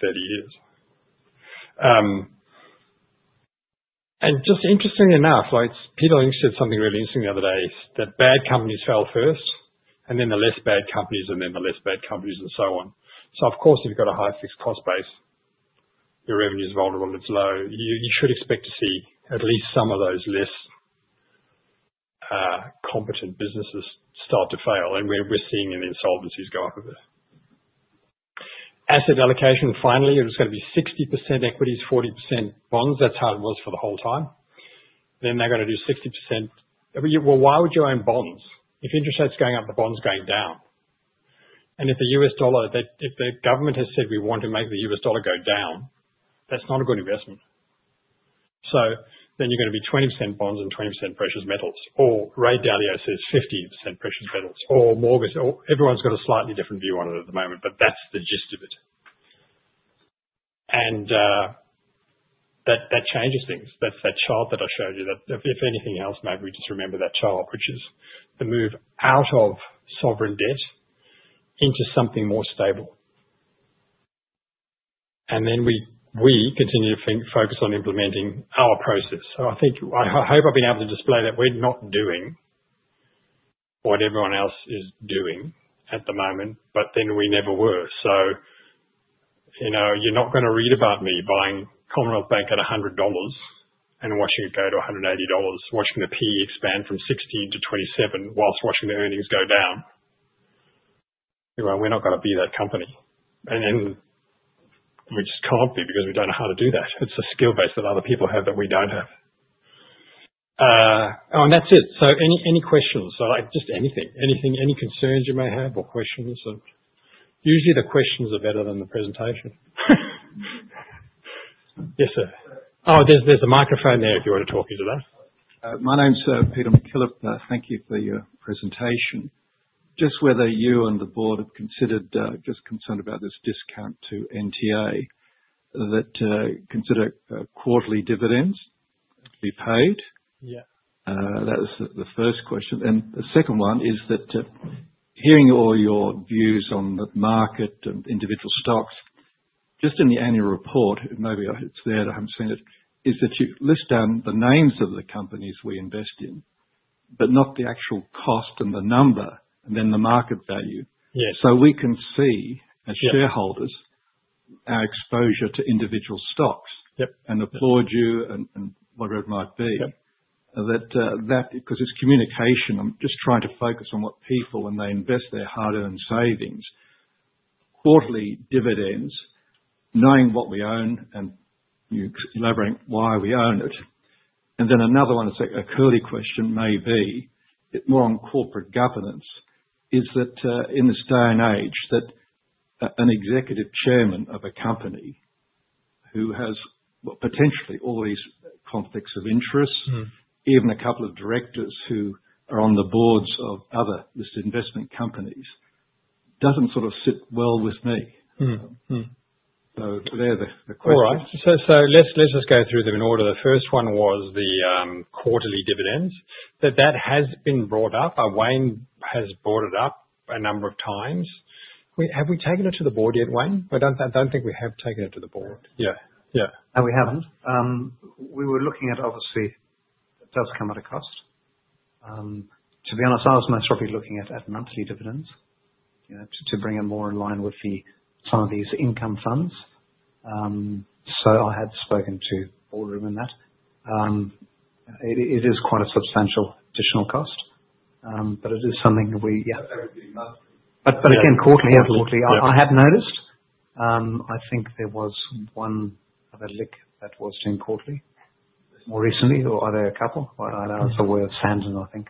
30 years, and just interestingly enough, Peter Lynch said something really interesting the other day, that bad companies fell first, and then the less bad companies, and then the less bad companies, and so on. So of course, if you've got a high fixed cost base, your revenue is vulnerable, it's low. You should expect to see at least some of those less competent businesses start to fail. And we're seeing the insolvencies go up a bit. Asset allocation, finally, it was going to be 60% equities, 40% bonds. That's how it was for the whole time. Then they're going to do 60%. Well, why would you own bonds? If interest rate's going up, the bond's going down. And if the U.S. dollar, if the government has said, "We want to make the U.S. dollar go down," that's not a good investment. So then you're going to be 20% bonds and 20% precious metals. Or Ray Dalio says 50% precious metals. Or Morgan, everyone's got a slightly different view on it at the moment, but that's the gist of it. And that changes things. That's that chart that I showed you. If anything else, maybe we just remember that chart, which is the move out of sovereign debt into something more stable, and then we continue to focus on implementing our process, so I hope I've been able to display that we're not doing what everyone else is doing at the moment, but then we never were, so you're not going to read about me buying Commonwealth Bank at 100 dollars and watching it go to 180 dollars, watching the PE expand from 16 to 27 whilst watching the earnings go down. We're not going to be that company, and then we just can't be because we don't know how to do that. It's a skill base that other people have that we don't have, and that's it, so any questions? Just anything. Any concerns you may have or questions? Usually, the questions are better than the presentation. Yes, sir. Oh, there's a microphone there if you want to talk into that. My name's Peter McKillop. Thank you for your presentation. Just whether you and the board have considered just concerned about this discount to NTA, that consider quarterly dividends to be paid. That was the first question, and the second one is that hearing all your views on the market and individual stocks, just in the annual report, maybe it's there that I haven't seen it, is that you list down the names of the companies we invest in, but not the actual cost and the number, and then the market value. So we can see as shareholders our exposure to individual stocks and applaud you and whatever it might be. Because it's communication. I'm just trying to focus on what people, when they invest their hard-earned savings, quarterly dividends, knowing what we own and elaborating why we own it. And then another one, a curly question maybe, more on corporate governance, is that in this day and age that an executive chairman of a company who has potentially all these conflicts of interest, even a couple of directors who are on the boards of other listed investment companies, doesn't sort of sit well with me. So they're the questions. All right. So let's just go through them in order. The first one was the quarterly dividends. That has been brought up. Wayne has brought it up a number of times. Have we taken it to the board yet, Wayne? I don't think we have taken it to the board. Yeah. Yeah. No, we haven't. We were looking at, obviously, it does come at a cost. To be honest, I was most probably looking at monthly dividends to bring it more in line with some of these income funds. So I had spoken to Boardroom on that. It is quite a substantial additional cost, but it is something that we, yeah. But again, quarterly and quarterly, I have noticed. I think there was one that I liked that was doing quarterly more recently, or are there a couple? I know it's a word, Sandon, I think.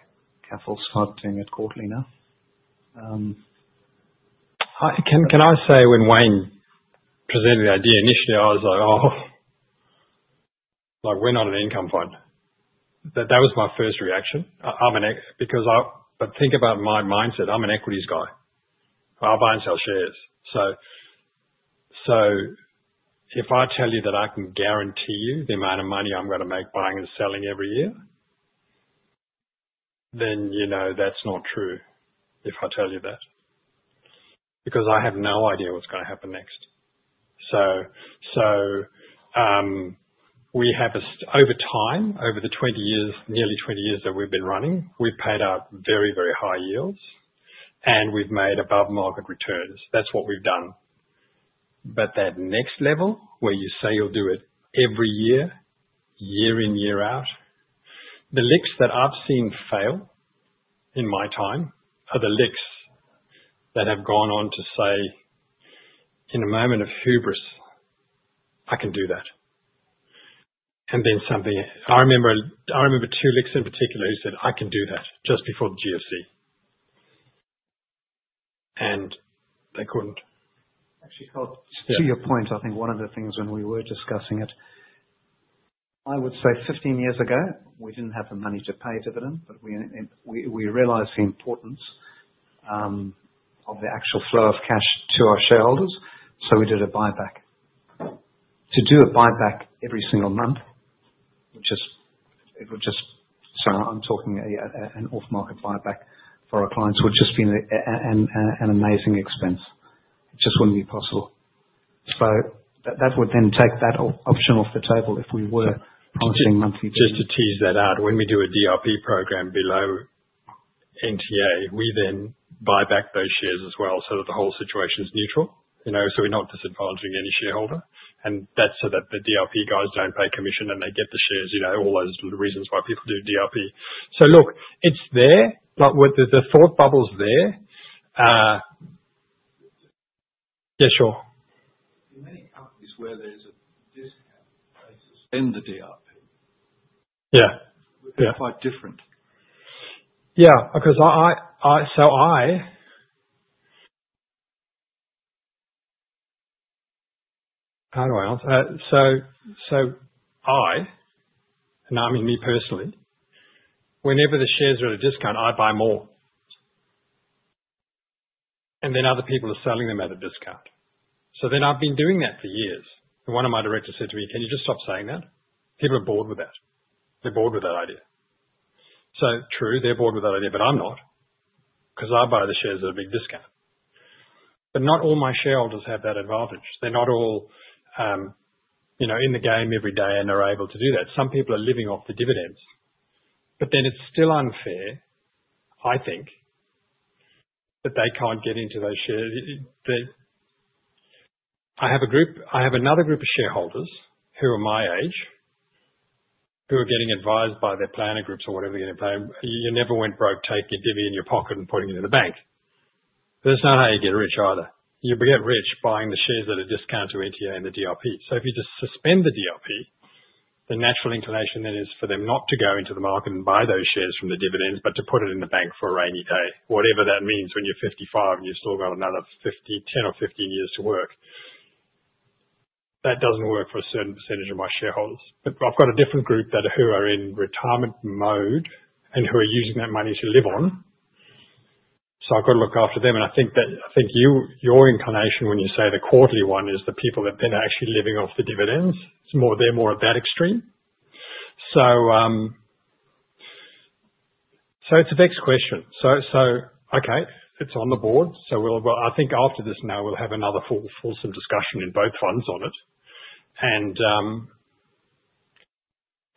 Karl will start doing it quarterly now. Can I say when Wayne presented the idea initially, I was like, "Oh, we're not an income fund." That was my first reaction. Because I think about my mindset, I'm an equities guy. I buy and sell shares. So if I tell you that I can guarantee you the amount of money I'm going to make buying and selling every year, then that's not true if I tell you that. Because I have no idea what's going to happen next. So we have, over time, over the nearly 20 years that we've been running, we've paid out very, very high yields, and we've made above-market returns. That's what we've done. But that next level where you say you'll do it every year, year in, year out, the LICs that I've seen fail in my time are the LICs that have gone on to say, in a moment of hubris, "I can do that." And then something I remember two LICs in particular who said, "I can do that," just before the GFC. And they couldn't. Actually, to your point, I think one of the things when we were discussing it, I would say 15 years ago, we didn't have the money to pay dividends, but we realized the importance of the actual flow of cash to our shareholders, so we did a buyback. To do a buyback every single month, it would just, so I'm talking an off-market buyback for our clients, would just be an amazing expense. It just wouldn't be possible, so that would then take that option off the table if we were promising monthly dividends. Just to tease that out, when we do a DRP program below NTA, we then buy back those shares as well so that the whole situation's neutral, so we're not disadvantaging any shareholder, and that's so that the DRP guys don't pay commission and they get the shares, all those reasons why people do DRP. So look, it's there, but the thought bubble's there. Yeah, sure. where there's a discount basis. Then the DRP. They're quite different. Yeah. Because I, how do I answer that? So I, and I mean me personally, whenever the shares are at a discount, I buy more. And then other people are selling them at a discount. So then I've been doing that for years. And one of my directors said to me, "Can you just stop saying that? People are bored with that. They're bored with that idea." So true, they're bored with that idea, but I'm not. Because I buy the shares at a big discount. But not all my shareholders have that advantage. They're not all in the game every day and are able to do that. Some people are living off the dividends. But then it's still unfair, I think, that they can't get into those shares. I have another group of shareholders who are my age, who are getting advised by their planner groups or whatever they're getting planned. You never went broke taking a divvy in your pocket and putting it in the bank. That's not how you get rich either. You get rich buying the shares at a discount to NTA and the DRP. So if you just suspend the DRP, the natural inclination then is for them not to go into the market and buy those shares from the dividends, but to put it in the bank for a rainy day, whatever that means when you're 55 and you've still got another 10 or 15 years to work. That doesn't work for a certain percentage of my shareholders. But I've got a different group who are in retirement mode and who are using that money to live on. So I've got to look after them. And I think your inclination when you say the quarterly one is the people that then are actually living off the dividends. They're more at that extreme. So it's a big question. So okay, it's on the board. So I think after this now, we'll have another fulsome discussion in both funds on it. And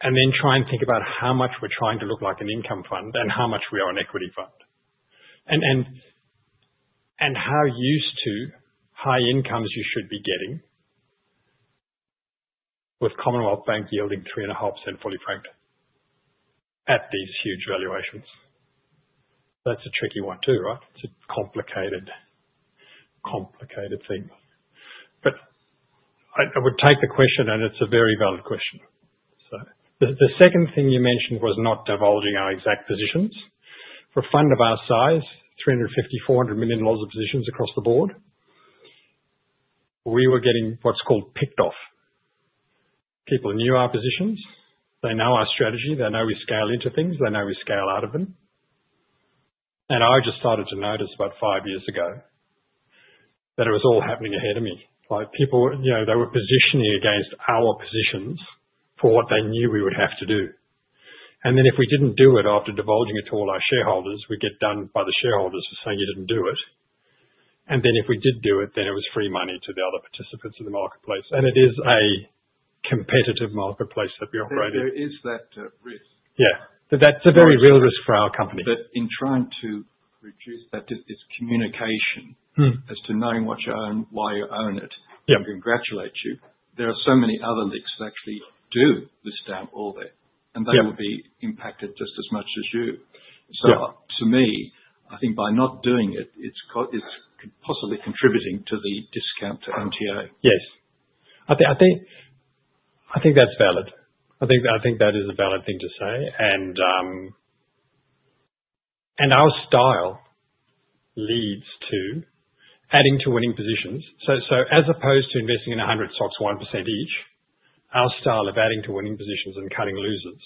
then try and think about how much we're trying to look like an income fund and how much we are an equity fund. And how used to high incomes you should be getting with Commonwealth Bank yielding 3.5%, fully franked, at these huge valuations. That's a tricky one too, right? It's a complicated thing. But I would take the question, and it's a very valid question. So the second thing you mentioned was not divulging our exact positions. For a fund of our size, 350 million-400 million dollars of positions across the board, we were getting what's called picked off. People knew our positions. They know our strategy. They know we scale into things. They know we scale out of them. And I just started to notice about five years ago that it was all happening ahead of me. They were positioning against our positions for what they knew we would have to do. And then if we didn't do it after divulging it to all our shareholders, we get done by the shareholders for saying you didn't do it. And then if we did do it, then it was free money to the other participants of the marketplace. And it is a competitive marketplace that we operate in. There is that risk. Yeah. That's a very real risk for our company. but in trying to reduce that, it's communication as to knowing what you own and why you own it and congratulate you, there are so many other LICs that actually do list down all that and they will be impacted just as much as you, so to me, I think by not doing it, it's possibly contributing to the discount to NTA. Yes, I think that's valid, I think that is a valid thing to say and our style leads to adding to winning positions, so as opposed to investing in 100 stocks, 1% each, our style of adding to winning positions and cutting losers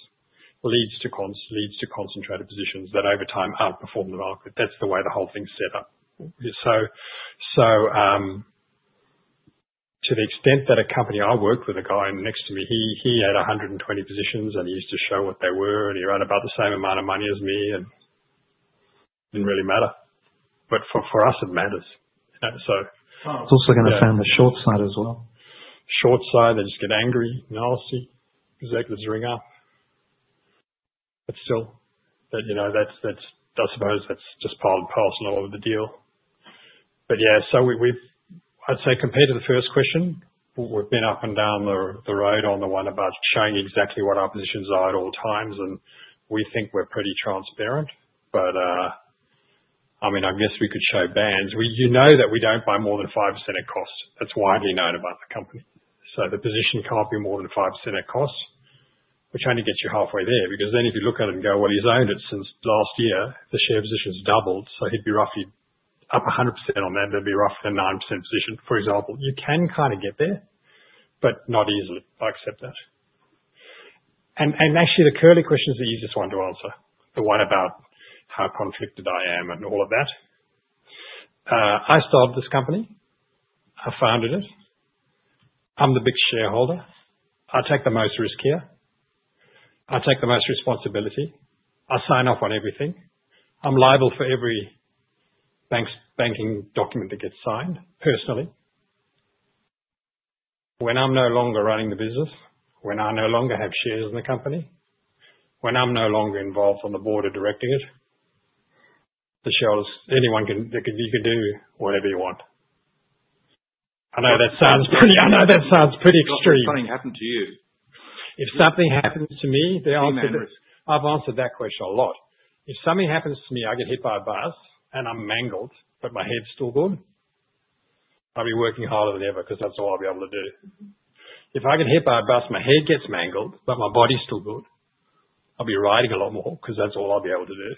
leads to concentrated positions that over time outperform the market. That's the way the whole thing's set up. So to the extent that a company I work with, a guy next to me, he had 120 positions and he used to show what they were and he ran about the same amount of money as me and it didn't really matter. But for us, it matters. It's also going to on the short side as well. Short side, they just get angry. Nasty executives ring up. But still, I suppose that's just part and parcel of the deal. But yeah, so I'd say compared to the first question, we've been up and down the road on the one about showing exactly what our positions are at all times. And we think we're pretty transparent. But I mean, I guess we could show bands. You know that we don't buy more than 5% at cost. That's widely known about the company. So the position can't be more than 5% at cost, which only gets you halfway there. Because then if you look at it and go, "Well, he's owned it since last year. The share position's doubled." So he'd be roughly up 100% on that. There'd be roughly a 9% position, for example. You can kind of get there, but not easily. I accept that. And actually, the curly questions that you just wanted to answer, the one about how conflicted I am and all of that. I started this company. I founded it. I'm the big shareholder. I take the most risk here. I take the most responsibility. I sign off on everything. I'm liable for every banking document that gets signed, personally. When I'm no longer running the business, when I no longer have shares in the company, when I'm no longer involved on the board of directing it, the shareholders, anyone can, you can do whatever you want. I know that sounds pretty extreme. If something happened to you? If something happens to me, the answer is I've answered that question a lot. If something happens to me, I get hit by a bus and I'm mangled, but my head's still good, I'll be working harder than ever because that's all I'll be able to do. If I get hit by a bus, my head gets mangled, but my body's still good, I'll be riding a lot more because that's all I'll be able to do.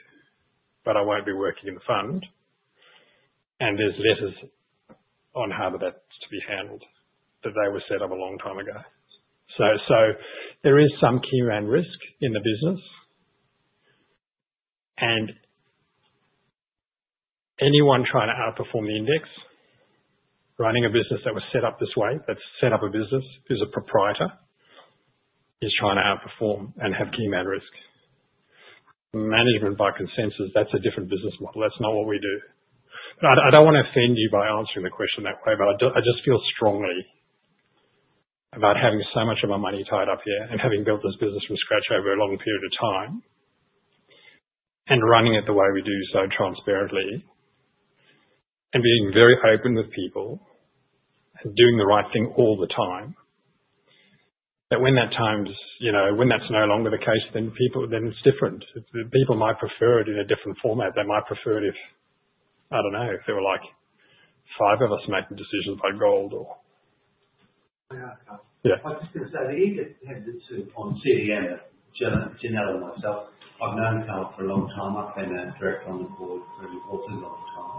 But I won't be working in the fund. And there's letters on how that's to be handled, that they were set up a long time ago. So there is some key risk in the business. And anyone trying to outperform the index, running a business that was set up this way, that's set up a business, is a proprietor, is trying to outperform and have key man risk. Management by consensus, that's a different business model. That's not what we do. I don't want to offend you by answering the question that way, but I just feel strongly about having so much of my money tied up here and having built this business from scratch over a long period of time and running it the way we do so transparently and being very open with people and doing the right thing all the time. But when that time's when that's no longer the case, then it's different. People might prefer it in a different format. They might prefer it if, I don't know, if there were like five of us making decisions about gold or. Yeah. I was just going to say, the index had this on CDM, Jenelle and myself. I've known Karl for a long time. I've been a director on the board for a relatively long time.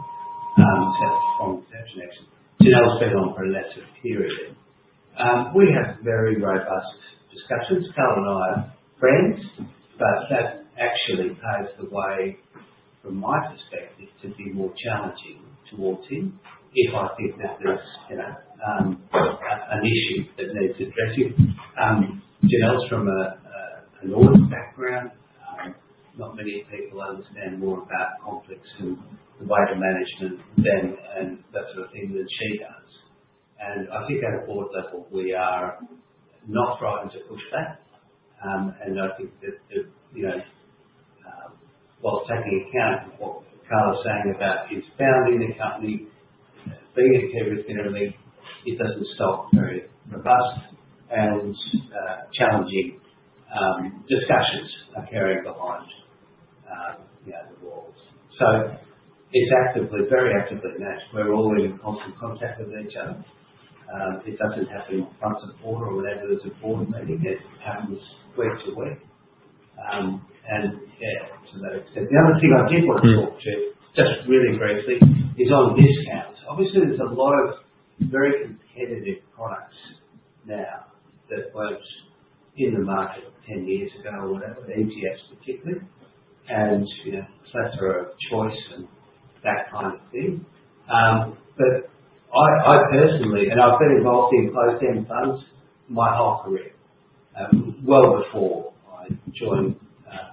Except for the formal election actually. Jenelle's been on for a later period. We have very robust discussions. Karl and I are friends, but that actually paves the way, from my perspective, to be more challenging towards him if I think that there's an issue that needs addressing. Jenelle's from an audit background. Not many people understand more about complexity and the way the management team and that sort of thing than she does. And I think at a board level, we are not striving to push that. And I think that while taking account of what Karl is saying about his founding the company, being at a peer risk in everything, it doesn't stop. Very robust and challenging discussions are happening behind the walls, so it's very actively managed. We're all in constant contact with each other. It doesn't happen once a quarter or whenever there's a board meeting. It happens week to week, and yeah, to that extent. The other thing I did want to touch on, just really briefly, is on discounts. Obviously, there's a lot of very competitive products now that weren't in the market 10 years ago or whatever, ETFs particularly, and plethora of choice and that kind of thing, but I personally, and I've been involved in closed-end funds my whole career, well before I joined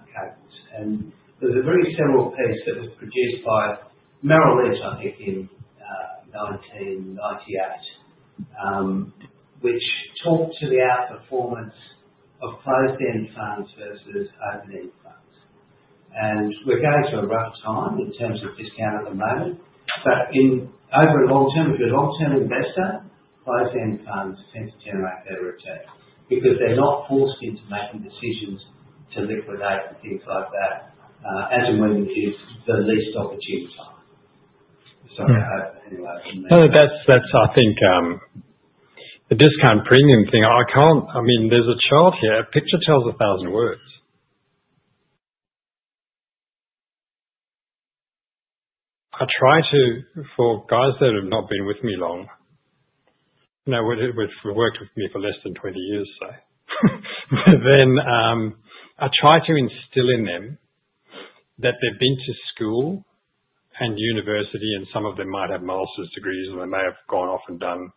Cadence. And there was a very similar piece that was produced by Merrill Lynch, I think, in 1998, which talked to the outperformance of closed-end funds versus open-end funds. And we're going through a rough time in terms of discount at the moment. But over a long term, if you're a long-term investor, closed-end funds tend to generate their return because they're not forced into making decisions to liquidate and things like that as and when it is the least opportune time. So anyway. No, that's, I think, the discount premium thing. I mean, there's a chart here. A picture tells a 1,000 words. I try to, for guys that have not been with me long, who have worked with me for less than 20 years, say, then I try to instill in them that they've been to school and university, and some of them might have master's degrees and they may have gone off and done,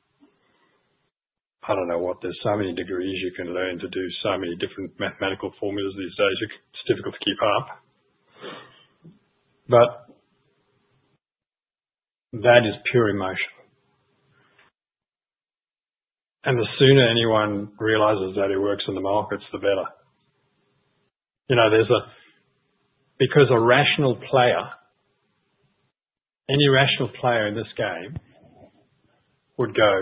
I don't know what, there's so many degrees you can learn to do so many different mathematical formulas these days. It's difficult to keep up. But that is pure emotion. And the sooner anyone realizes that it works in the markets, the better. Because a rational player, any rational player in this game would go,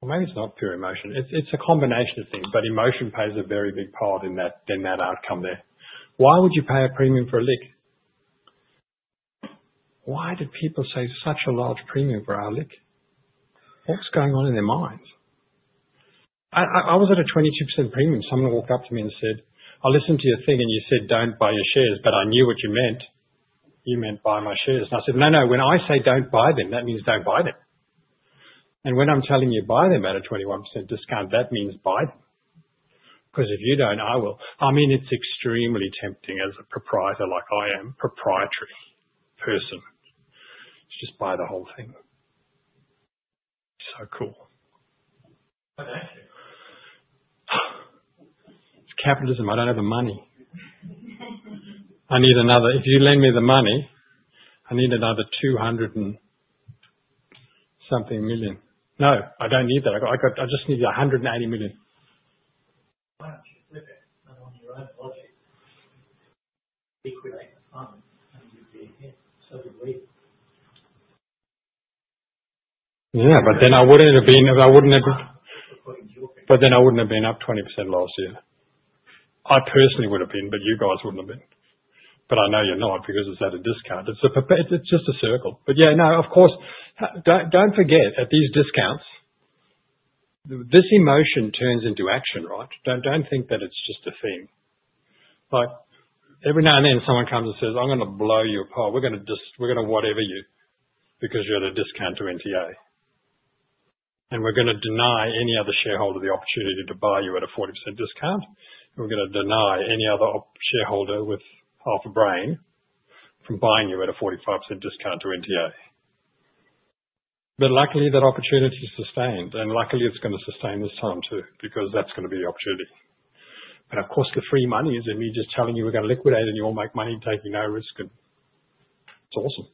well, maybe it's not pure emotion. It's a combination of things, but emotion plays a very big part in that outcome there. Why would you pay a premium for a LIC? Why did people pay such a large premium for our LIC? What's going on in their minds? I was at a 22% premium. Someone walked up to me and said, "I listened to your thing and you said don't buy your shares, but I knew what you meant. You meant buy my shares." And I said, "No, no. When I say don't buy them, that means don't buy them. And when I'm telling you buy them at a 21% discount, that means buy them. Because if you don't, I will." I mean, it's extremely tempting as a proprietor like I am, proprietary person. It's just buy the whole thing. So cool. I thank you. It's capitalism. I don't have the money. I need another if you lend me the money, I need another 200 and something million. No, I don't need that. I just need 190 million. Yeah, but then I wouldn't have been if I wouldn't have been according to your opinion. But then I wouldn't have been up 20% last year. I personally would have been, but you guys wouldn't have been. But I know you're not because it's at a discount. It's just a circle. But yeah, no, of course, don't forget at these discounts, this emotion turns into action, right? Don't think that it's just a thing. Every now and then, someone comes and says, "I'm going to blow you apart. We're going to whatever you because you're the discount to NTA. And we're going to deny any other shareholder the opportunity to buy you at a 40% discount. We're going to deny any other shareholder with half a brain from buying you at a 45% discount to NTA." But luckily, that opportunity sustained. And luckily, it's going to sustain this time too because that's going to be the opportunity. And of course, the free money is in me just telling you we're going to liquidate and you'll make money taking no risk. And it's awesome.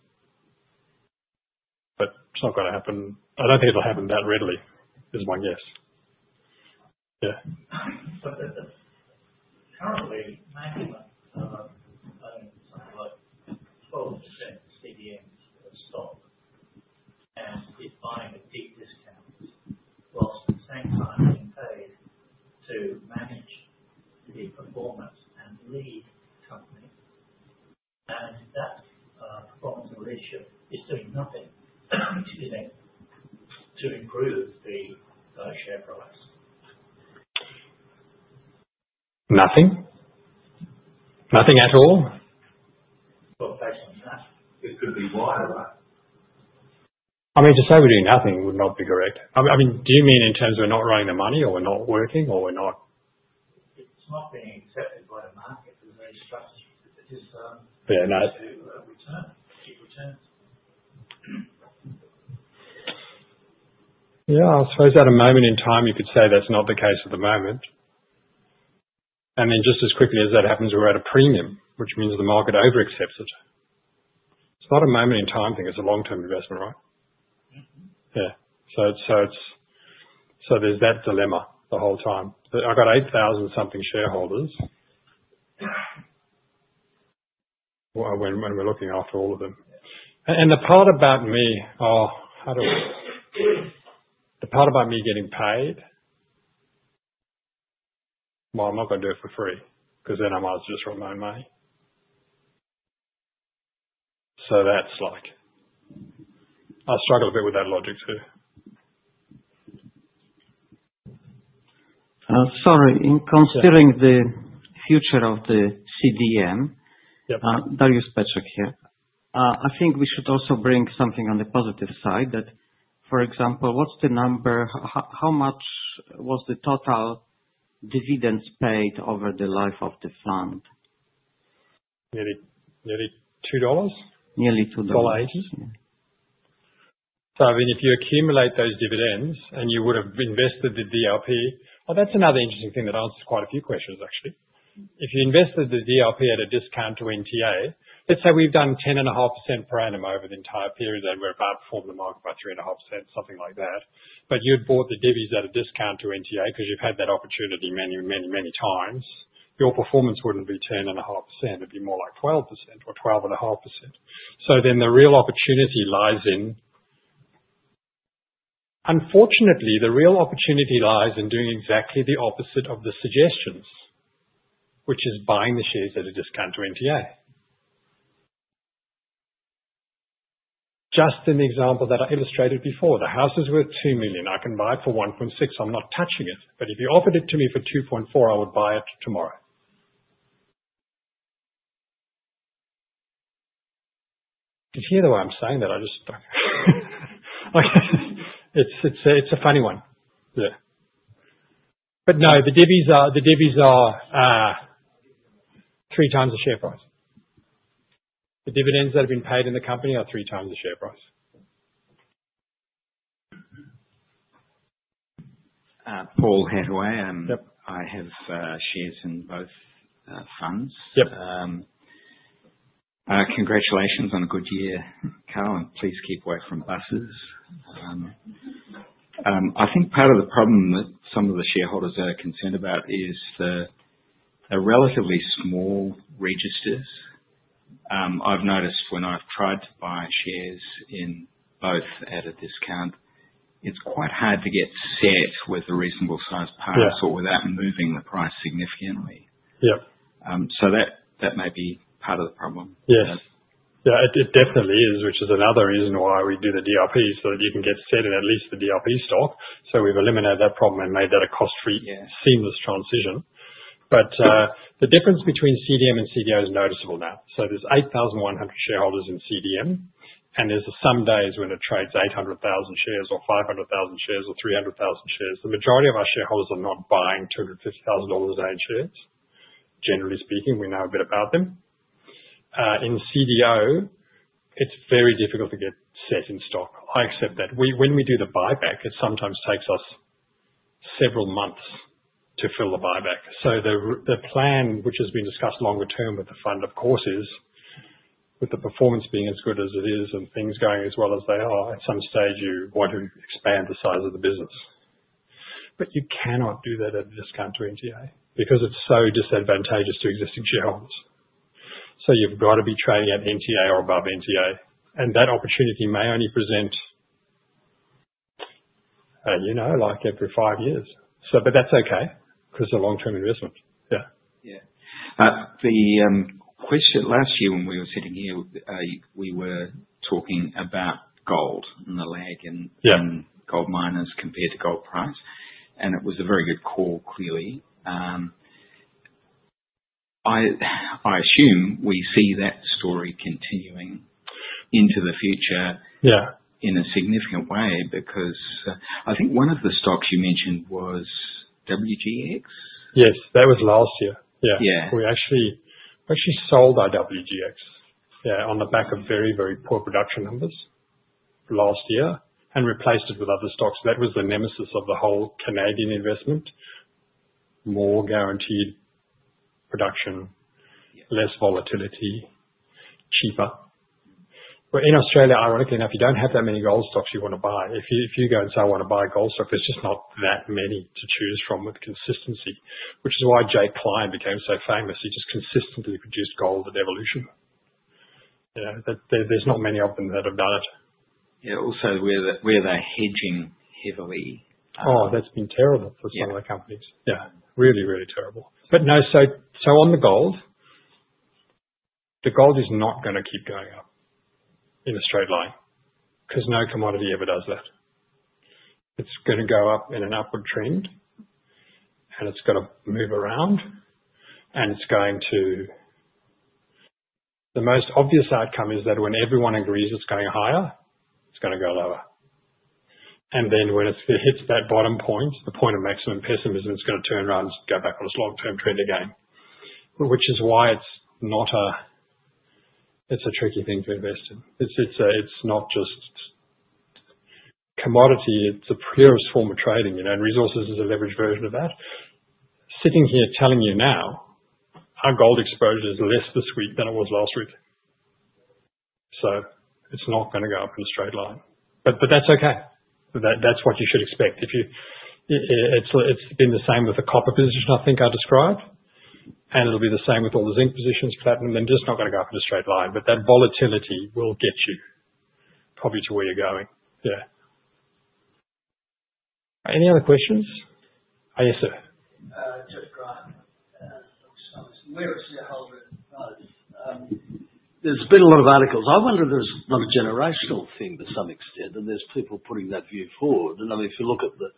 But it's not going to happen. I don't think it'll happen that readily, is my guess. company. And that performance in leadership is doing nothing to improve the share price. Nothing? Nothing at all? Well, based on that. It could be wider, right? I mean, to say we're doing nothing would not be correct. I mean, do you mean in terms of we're not running the money or we're not working or we're not? It's not being accepted by the market as a very strategic decision to keep returns. Yeah, I suppose at a moment in time, you could say that's not the case at the moment. I mean, just as quickly as that happens, we're at a premium, which means the market over accepts it. It's not a moment in time thing. It's a long-term investment, right? Yeah. So there's that dilemma the whole time. I got 8,000-something shareholders when we're looking after all of them. And the part about me oh, how do I the part about me getting paid, well, I'm not going to do it for free because then I might as well just run my own money. So I struggle a bit with that logic too. Sorry. In considering the future of the CDM, Dariusz Peczek here, I think we should also bring something on the positive side that, for example, what's the number? How much was the total dividends paid over the life of the fund? Nearly 2 dollars? Nearly 2.80 dollars. So I mean, if you accumulate those dividends and you would have invested the DRP well, that's another interesting thing that answers quite a few questions, actually. If you invested the DRP at a discount to NTA, let's say we've done 10.5% per annum over the entire period and we've outperformed the market by 3.5%, something like that. But you'd bought the divvies at a discount to NTA because you've had that opportunity many, many, many times. Your performance wouldn't be 10.5%. It'd be more like 12% or 12.5%. So then the real opportunity lies in, unfortunately, the real opportunity lies in doing exactly the opposite of the suggestions, which is buying the shares at a discount to NTA. Just an example that I illustrated before. The houses were 2 million. I can buy it for 1.6. I'm not touching it. But if you offered it to me for 2.4, I would buy it tomorrow. You can hear the way I'm saying that. It's a funny one. Yeah. But no, the divvies are 3x the share price. The dividends that have been paid in the company are 3x the share price. Bought heavily, and I have shares in both funds. Congratulations on a good year, Karl. And please keep away from buses. I think part of the problem that some of the shareholders are concerned about is the relatively small registers. I've noticed when I've tried to buy shares in both at a discount, it's quite hard to get set with a reasonable size price or without moving the price significantly. So that may be part of the problem. Yeah, it definitely is, which is another reason why we do the DRP so that you can get set in at least the DRP stock. So we've eliminated that problem and made that a cost-free, seamless transition. But the difference between CDM and CDO is noticeable now. So there's 8,100 shareholders in CDM, and there's some days when it trades 800,000 shares or 500,000 shares or 300,000 shares. The majority of our shareholders are not buying 250,000 dollars in shares. Generally speaking, we know a bit about them. In CDO, it's very difficult to get set in stock. I accept that. When we do the buyback, it sometimes takes us several months to fill the buyback. So the plan, which has been discussed longer term with the fund, of course, is with the performance being as good as it is and things going as well as they are, at some stage, you want to expand the size of the business. But you cannot do that at a discount to NTA because it's so disadvantageous to existing shareholders. So you've got to be trading at NTA or above NTA. And that opportunity may only present like every five years. But that's okay because it's a long-term investment. Yeah. Last year, when we were sitting here, we were talking about gold and the lag in gold miners compared to gold price. And it was a very good call, clearly. I assume we see that story continuing into the future in a significant way because I think one of the stocks you mentioned was WGX? Yes. That was last year. We actually sold our WGX on the back of very, very poor production numbers last year and replaced it with other stocks. That was the nemesis of the whole Canadian investment: more guaranteed production, less volatility, cheaper. But in Australia, ironically enough, you don't have that many gold stocks you want to buy. If you go and say, "I want to buy gold stocks," there's just not that many to choose from with consistency, which is why Jake Klein became so famous. He just consistently produced gold at Evolution. There's not many of them that have done it. Yeah. Also, where they're hedging heavily. Oh, that's been terrible for some of the companies. Yeah. Really, really terrible. But no. So on the gold, the gold is not going to keep going up in a straight line because no commodity ever does that. It's going to go up in an upward trend, and it's going to move around, and it's going to, the most obvious outcome is that when everyone agrees it's going higher, it's going to go lower. And then when it hits that bottom point, the point of maximum pessimism, it's going to turn around and go back on its long-term trend again, which is why it's not. It's a tricky thing to invest in. It's not just commodity. It's a purest form of trading. And resources is a leveraged version of that. Sitting here telling you now, our gold exposure is less this week than it was last week. So it's not going to go up in a straight line. But that's okay. That's what you should expect. It's been the same with the copper position, I think I described. And it'll be the same with all the zinc positions, platinum, and just not going to go up in a straight line. But that volatility will get you probably to where you're going. Yeah. Any other questions? Yes, sir. There's been a lot of articles. I wonder if there's not a generational thing to some extent, and there's people putting that view forward. And I mean, if you look at the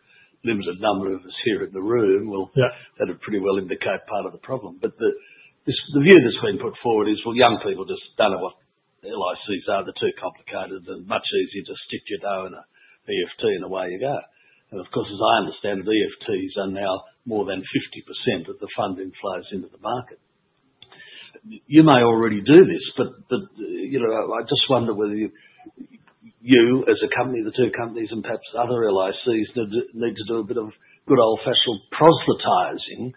limited number of us here in the room, well, that would pretty well indicate part of the problem. But the view that's been put forward is, well, young people just don't know what LICs are. They're too complicated and much easier to stick your dough in an ETF and away you go. And of course, as I understand it, ETFs are now more than 50% of the funding flows into the market. You may already do this, but I just wonder whether you, as a company, the two companies, and perhaps other LICs, need to do a bit of good old-fashioned proselytizing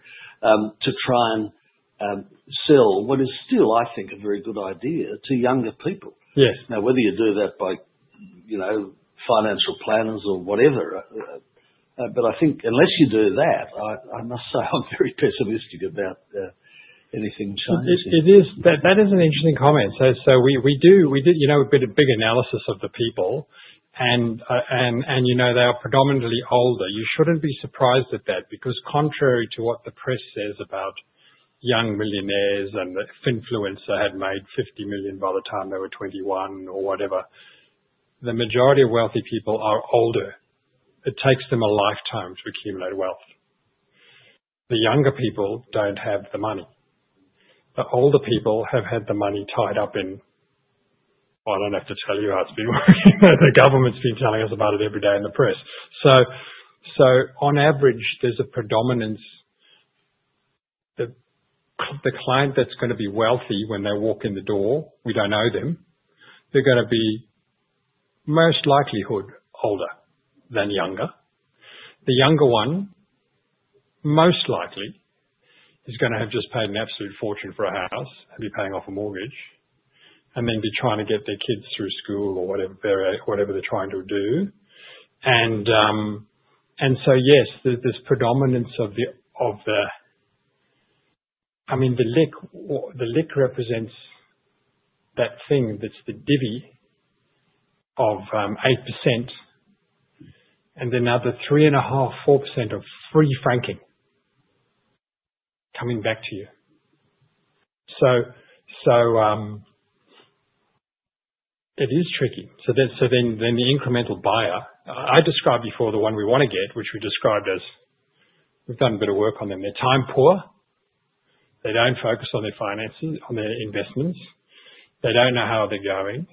to try and sell what is still, I think, a very good idea to younger people. Now, whether you do that by financial planners or whatever, but I think unless you do that, I must say I'm very pessimistic about anything changing. That is an interesting comment. So we do a bit of big analysis of the people, and they are predominantly older. You shouldn't be surprised at that because contrary to what the press says about young millionaires and the influencer had made 50 million by the time they were 21 or whatever, the majority of wealthy people are older. It takes them a lifetime to accumulate wealth. The younger people don't have the money. The older people have had the money tied up in, well, I don't have to tell you how it's been working. The government's been telling us about it every day in the press, so on average, there's a predominance. The client that's going to be wealthy when they walk in the door, we don't know them, they're going to be most likely older than younger. The younger one, most likely, is going to have just paid an absolute fortune for a house and be paying off a mortgage and then be trying to get their kids through school or whatever they're trying to do. And so yes, there's this predominance of the, I mean, the LIC represents that thing that's the divvy of 8% and then other 3.5%-4% of fully franking coming back to you. So it is tricky. So then the incremental buyer, I described before the one we want to get, which we described as we've done a bit of work on them. They're time poor. They don't focus on their finances, on their investments. They don't know how they're going.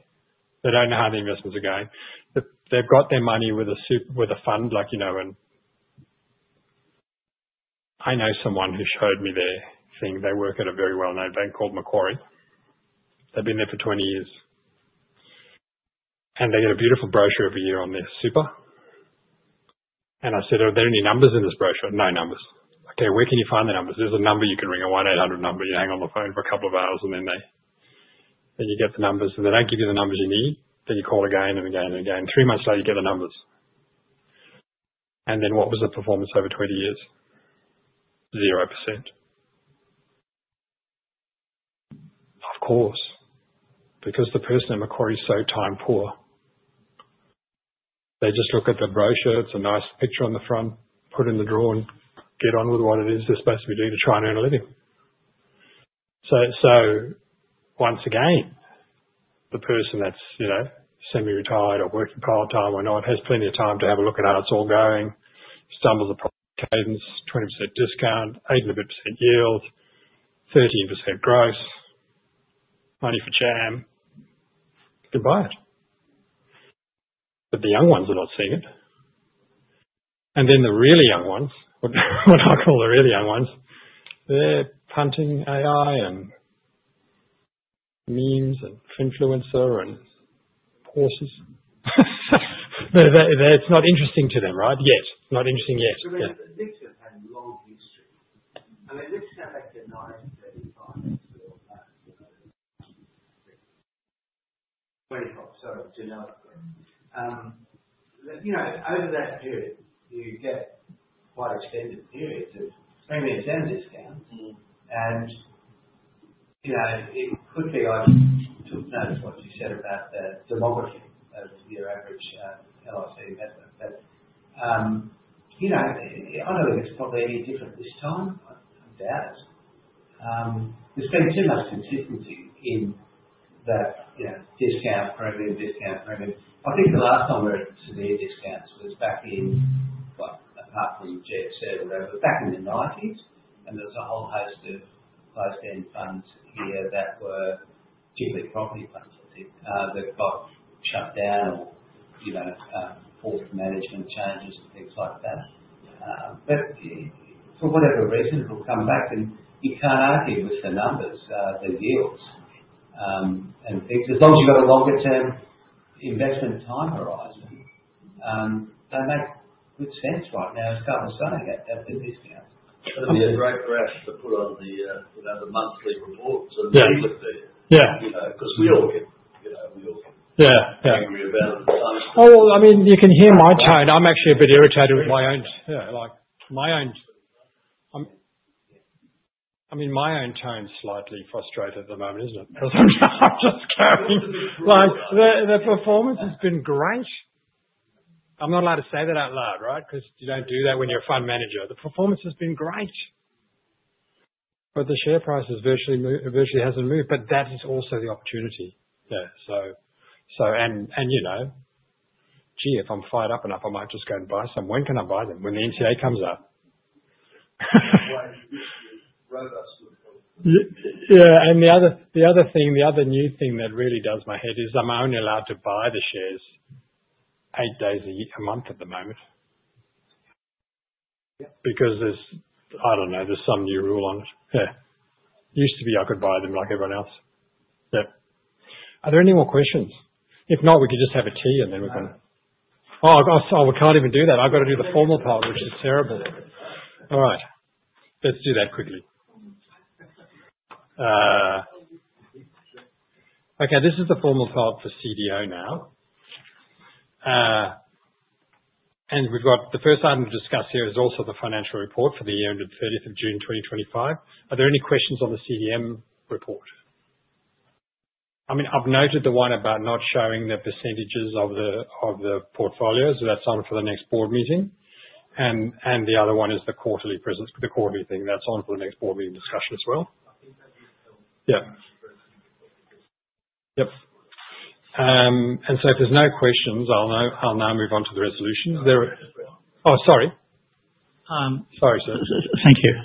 They don't know how the investments are going. They've got their money with a fund like, I know someone who showed me their thing. They work at a very well-known bank called Macquarie. They've been there for 20 years, and they get a beautiful brochure every year on their super, and I said, "Are there any numbers in this brochure?" "No numbers." "Okay. Where can you find the numbers?" "There's a number you can ring, a 1-800 number. You hang on the phone for a couple of hours, and then you get the numbers, and they don't give you the numbers you need, then you call again and again and again. Three months later, you get the numbers, and then what was the performance over 20 years? 0%. Of course. Because the person at Macquarie is so time poor, they just look at the brochure. It's a nice picture on the front, put in the drawer, get on with what it is they're supposed to be doing to try and earn a living. So once again, the person that's semi-retired or working part-time or not has plenty of time to have a look at how it's all going. Stumbles upon Cadence, 20% discount, 80% yield, 13% gross, money for jam. You can buy it, but the young ones are not seeing it. And then the really young ones, what I call the really young ones, they're punting AI and memes and influencer and horses. It's not interesting to them, right? Yes. Not interesting yet. The LICs have had a long history, and they looked at. Sorry, do another question. Over that period, you get quite extended periods of premiums and discounts. And it could be I took note of what you said about the demographics of your average LIC investor, but I don't think it's probably any different this time. I doubt it. There's been too much consistency in that discount, premium discount, premium. I think the last time we heard severe discounts was back in, well, apart from GFC or whatever, back in the 1990s. There was a whole host of closed-end funds here that were particularly property funds, I think, that got shut down or forced management changes and things like that. For whatever reason, it'll come back. You can't argue with the numbers, the yields and things. As long as you've got a longer-term investment time horizon, they make good sense right now as Carl's saying that they're discounted. That'll be a great graph to put on the monthly reports and see what the because we all get angry about it at times. Oh, I mean, you can hear my tone. I'm actually a bit irritated with my own I mean, my own tone's slightly frustrated at the moment, isn't it? Because I'm just going. The performance has been great. I'm not allowed to say that out loud, right? Because you don't do that when you're a fund manager. The performance has been great. But the share price has virtually hasn't moved. But that is also the opportunity. Yeah. And gee, if I'm fired up enough, I might just go and buy some. When can I buy them? When the NTA comes up. Yeah. And the other thing, the other new thing that really does my head is I'm only allowed to buy the shares eight days a month at the moment because there's, I don't know, there's some new rule on it. Yeah. It used to be I could buy them like everyone else. Yeah. Are there any more questions? If not, we could just have a tea and then we're done. Oh, I can't even do that. I've got to do the formal part, which is terrible. All right. Let's do that quickly. Okay. This is the formal part for CDO now, and the first item to discuss here is also the financial report for the year ended 30th of June 2025. Are there any questions on the CDM report? I mean, I've noted the one about not showing the percentages of the portfolios. That's on for the next board meeting, and the other one is the quarterly thing. That's on for the next board meeting discussion as well. Yeah. Yep, and so if there's no questions, I'll now move on to the resolutions. Oh, sorry. Sorry, sir. Thank you.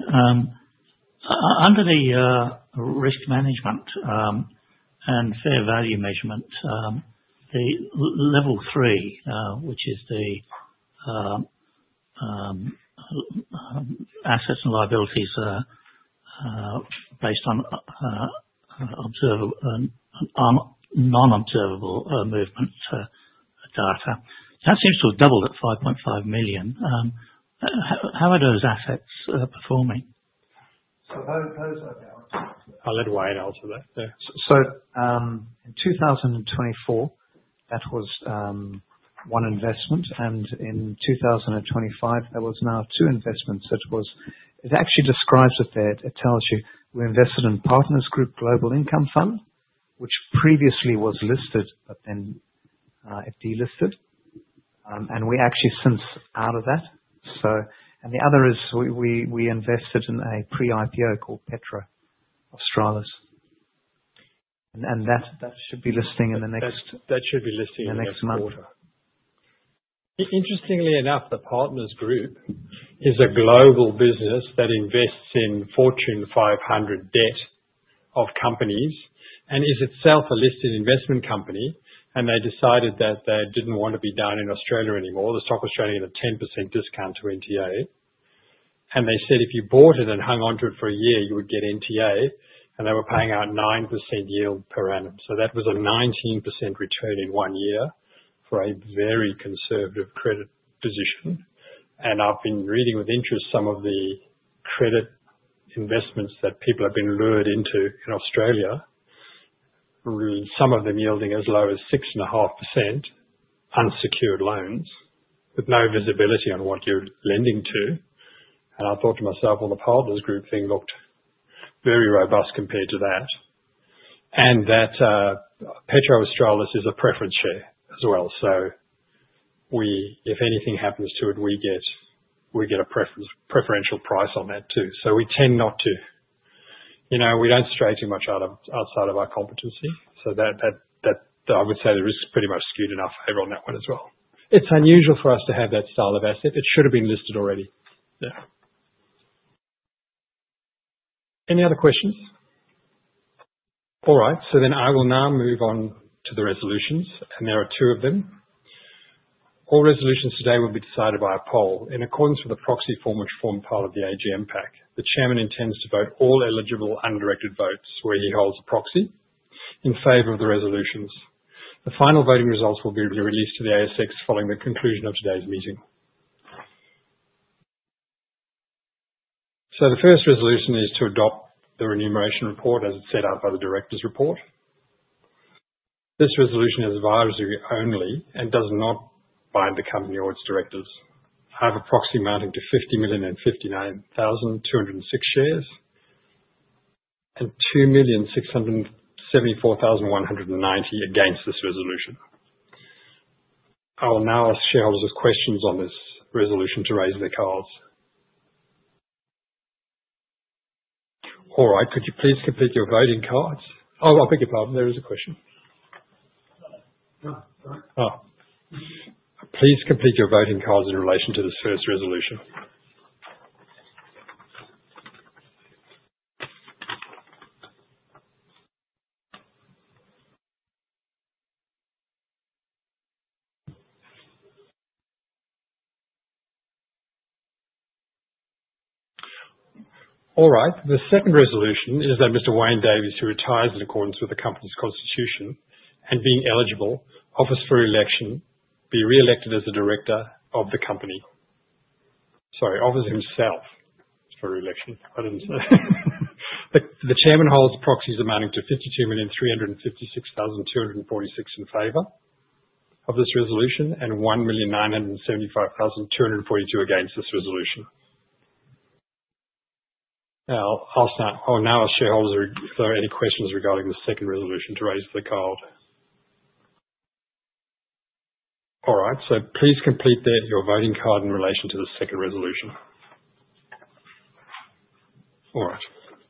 Under the risk management and fair value measurement, the Level 3, which is the assets and liabilities based on non-observable market data, that seems to have doubled at 5.5 million. How are those assets performing? So those are down. I'll let Wayne answer that. So in 2024, that was one investment. And in 2025, there was now two investments. It actually describes it there. It tells you, "We invested in Partners Group Global Income Fund, which previously was listed but then delisted." And we actually sold out of that. And the other is, "We invested in a pre-IPO called Petro Australis." And that should be listing in the next quarter. That should be listing in the next quarter. Interestingly enough, the Partners Group is a global business that invests in Fortune 500 debt of companies and is itself a listed investment company. They decided that they didn't want to be down in Australia anymore. The stock was trading at a 10% discount to NTA. They said, "If you bought it and hung onto it for a year, you would get NTA." They were paying out 9% yield per annum. That was a 19% return in one year for a very conservative credit position. I've been reading with interest some of the credit investments that people have been lured into in Australia, some of them yielding as low as 6.5% unsecured loans with no visibility on what you're lending to. I thought to myself, "Well, the Partners Group thing looked very robust compared to that." Petro-Australis is a preference share as well. If anything happens to it, we get a preferential price on that too. We tend not to. We don't stray too much outside of our competency. So I would say the risk's pretty much skewed enough over on that one as well. It's unusual for us to have that style of asset. It should have been listed already. Yeah. Any other questions? All right. So then I will now move on to the resolutions. And there are two of them. All resolutions today will be decided by a poll. In accordance with the proxy form, which formed part of the AGM pack, the chairman intends to vote all eligible undirected votes where he holds a proxy in favor of the resolutions. The final voting results will be released to the ASX following the conclusion of today's meeting. So the first resolution is to adopt the remuneration report as it's set out by the director's report. This resolution is advisory only and does not bind the company or its directors. I have a proxy amounting to 50,059,206 shares and 2,674,190 against this resolution. I will now ask shareholders questions on this resolution to raise their cards. All right. Could you please complete your voting cards? Oh, I'll pick it up. There is a question. Please complete your voting cards in relation to this first resolution. All right. The second resolution is that Mr. Wayne Davies, who retires in accordance with the company's constitution and being eligible, offers for re-election, be re-elected as the director of the company. Sorry, offers himself For re-election. I didn't say. The chairman holds proxies amounting to 52,356,246 in favor of this resolution and 1,975,242 against this resolution. Now, I'll start. I'll now ask shareholders if there are any questions regarding the second resolution to raise their card. All right. So please complete your voting card in relation to the second resolution. All right.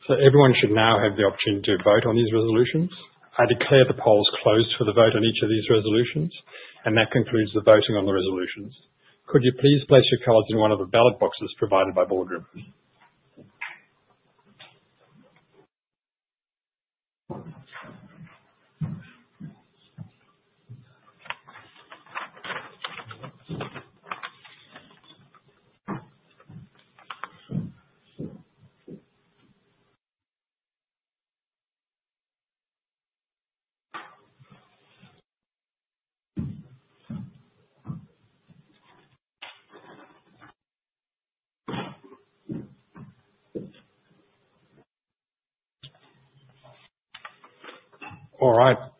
So everyone should now have the opportunity to vote on these resolutions. I declare the polls closed for the vote on each of these resolutions. And that concludes the voting on the resolutions. Could you please place your cards in one of the ballot boxes provided by Boardroom? All right.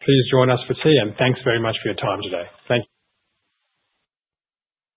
Please join us for tea. And thanks very much for your time today. Thank you.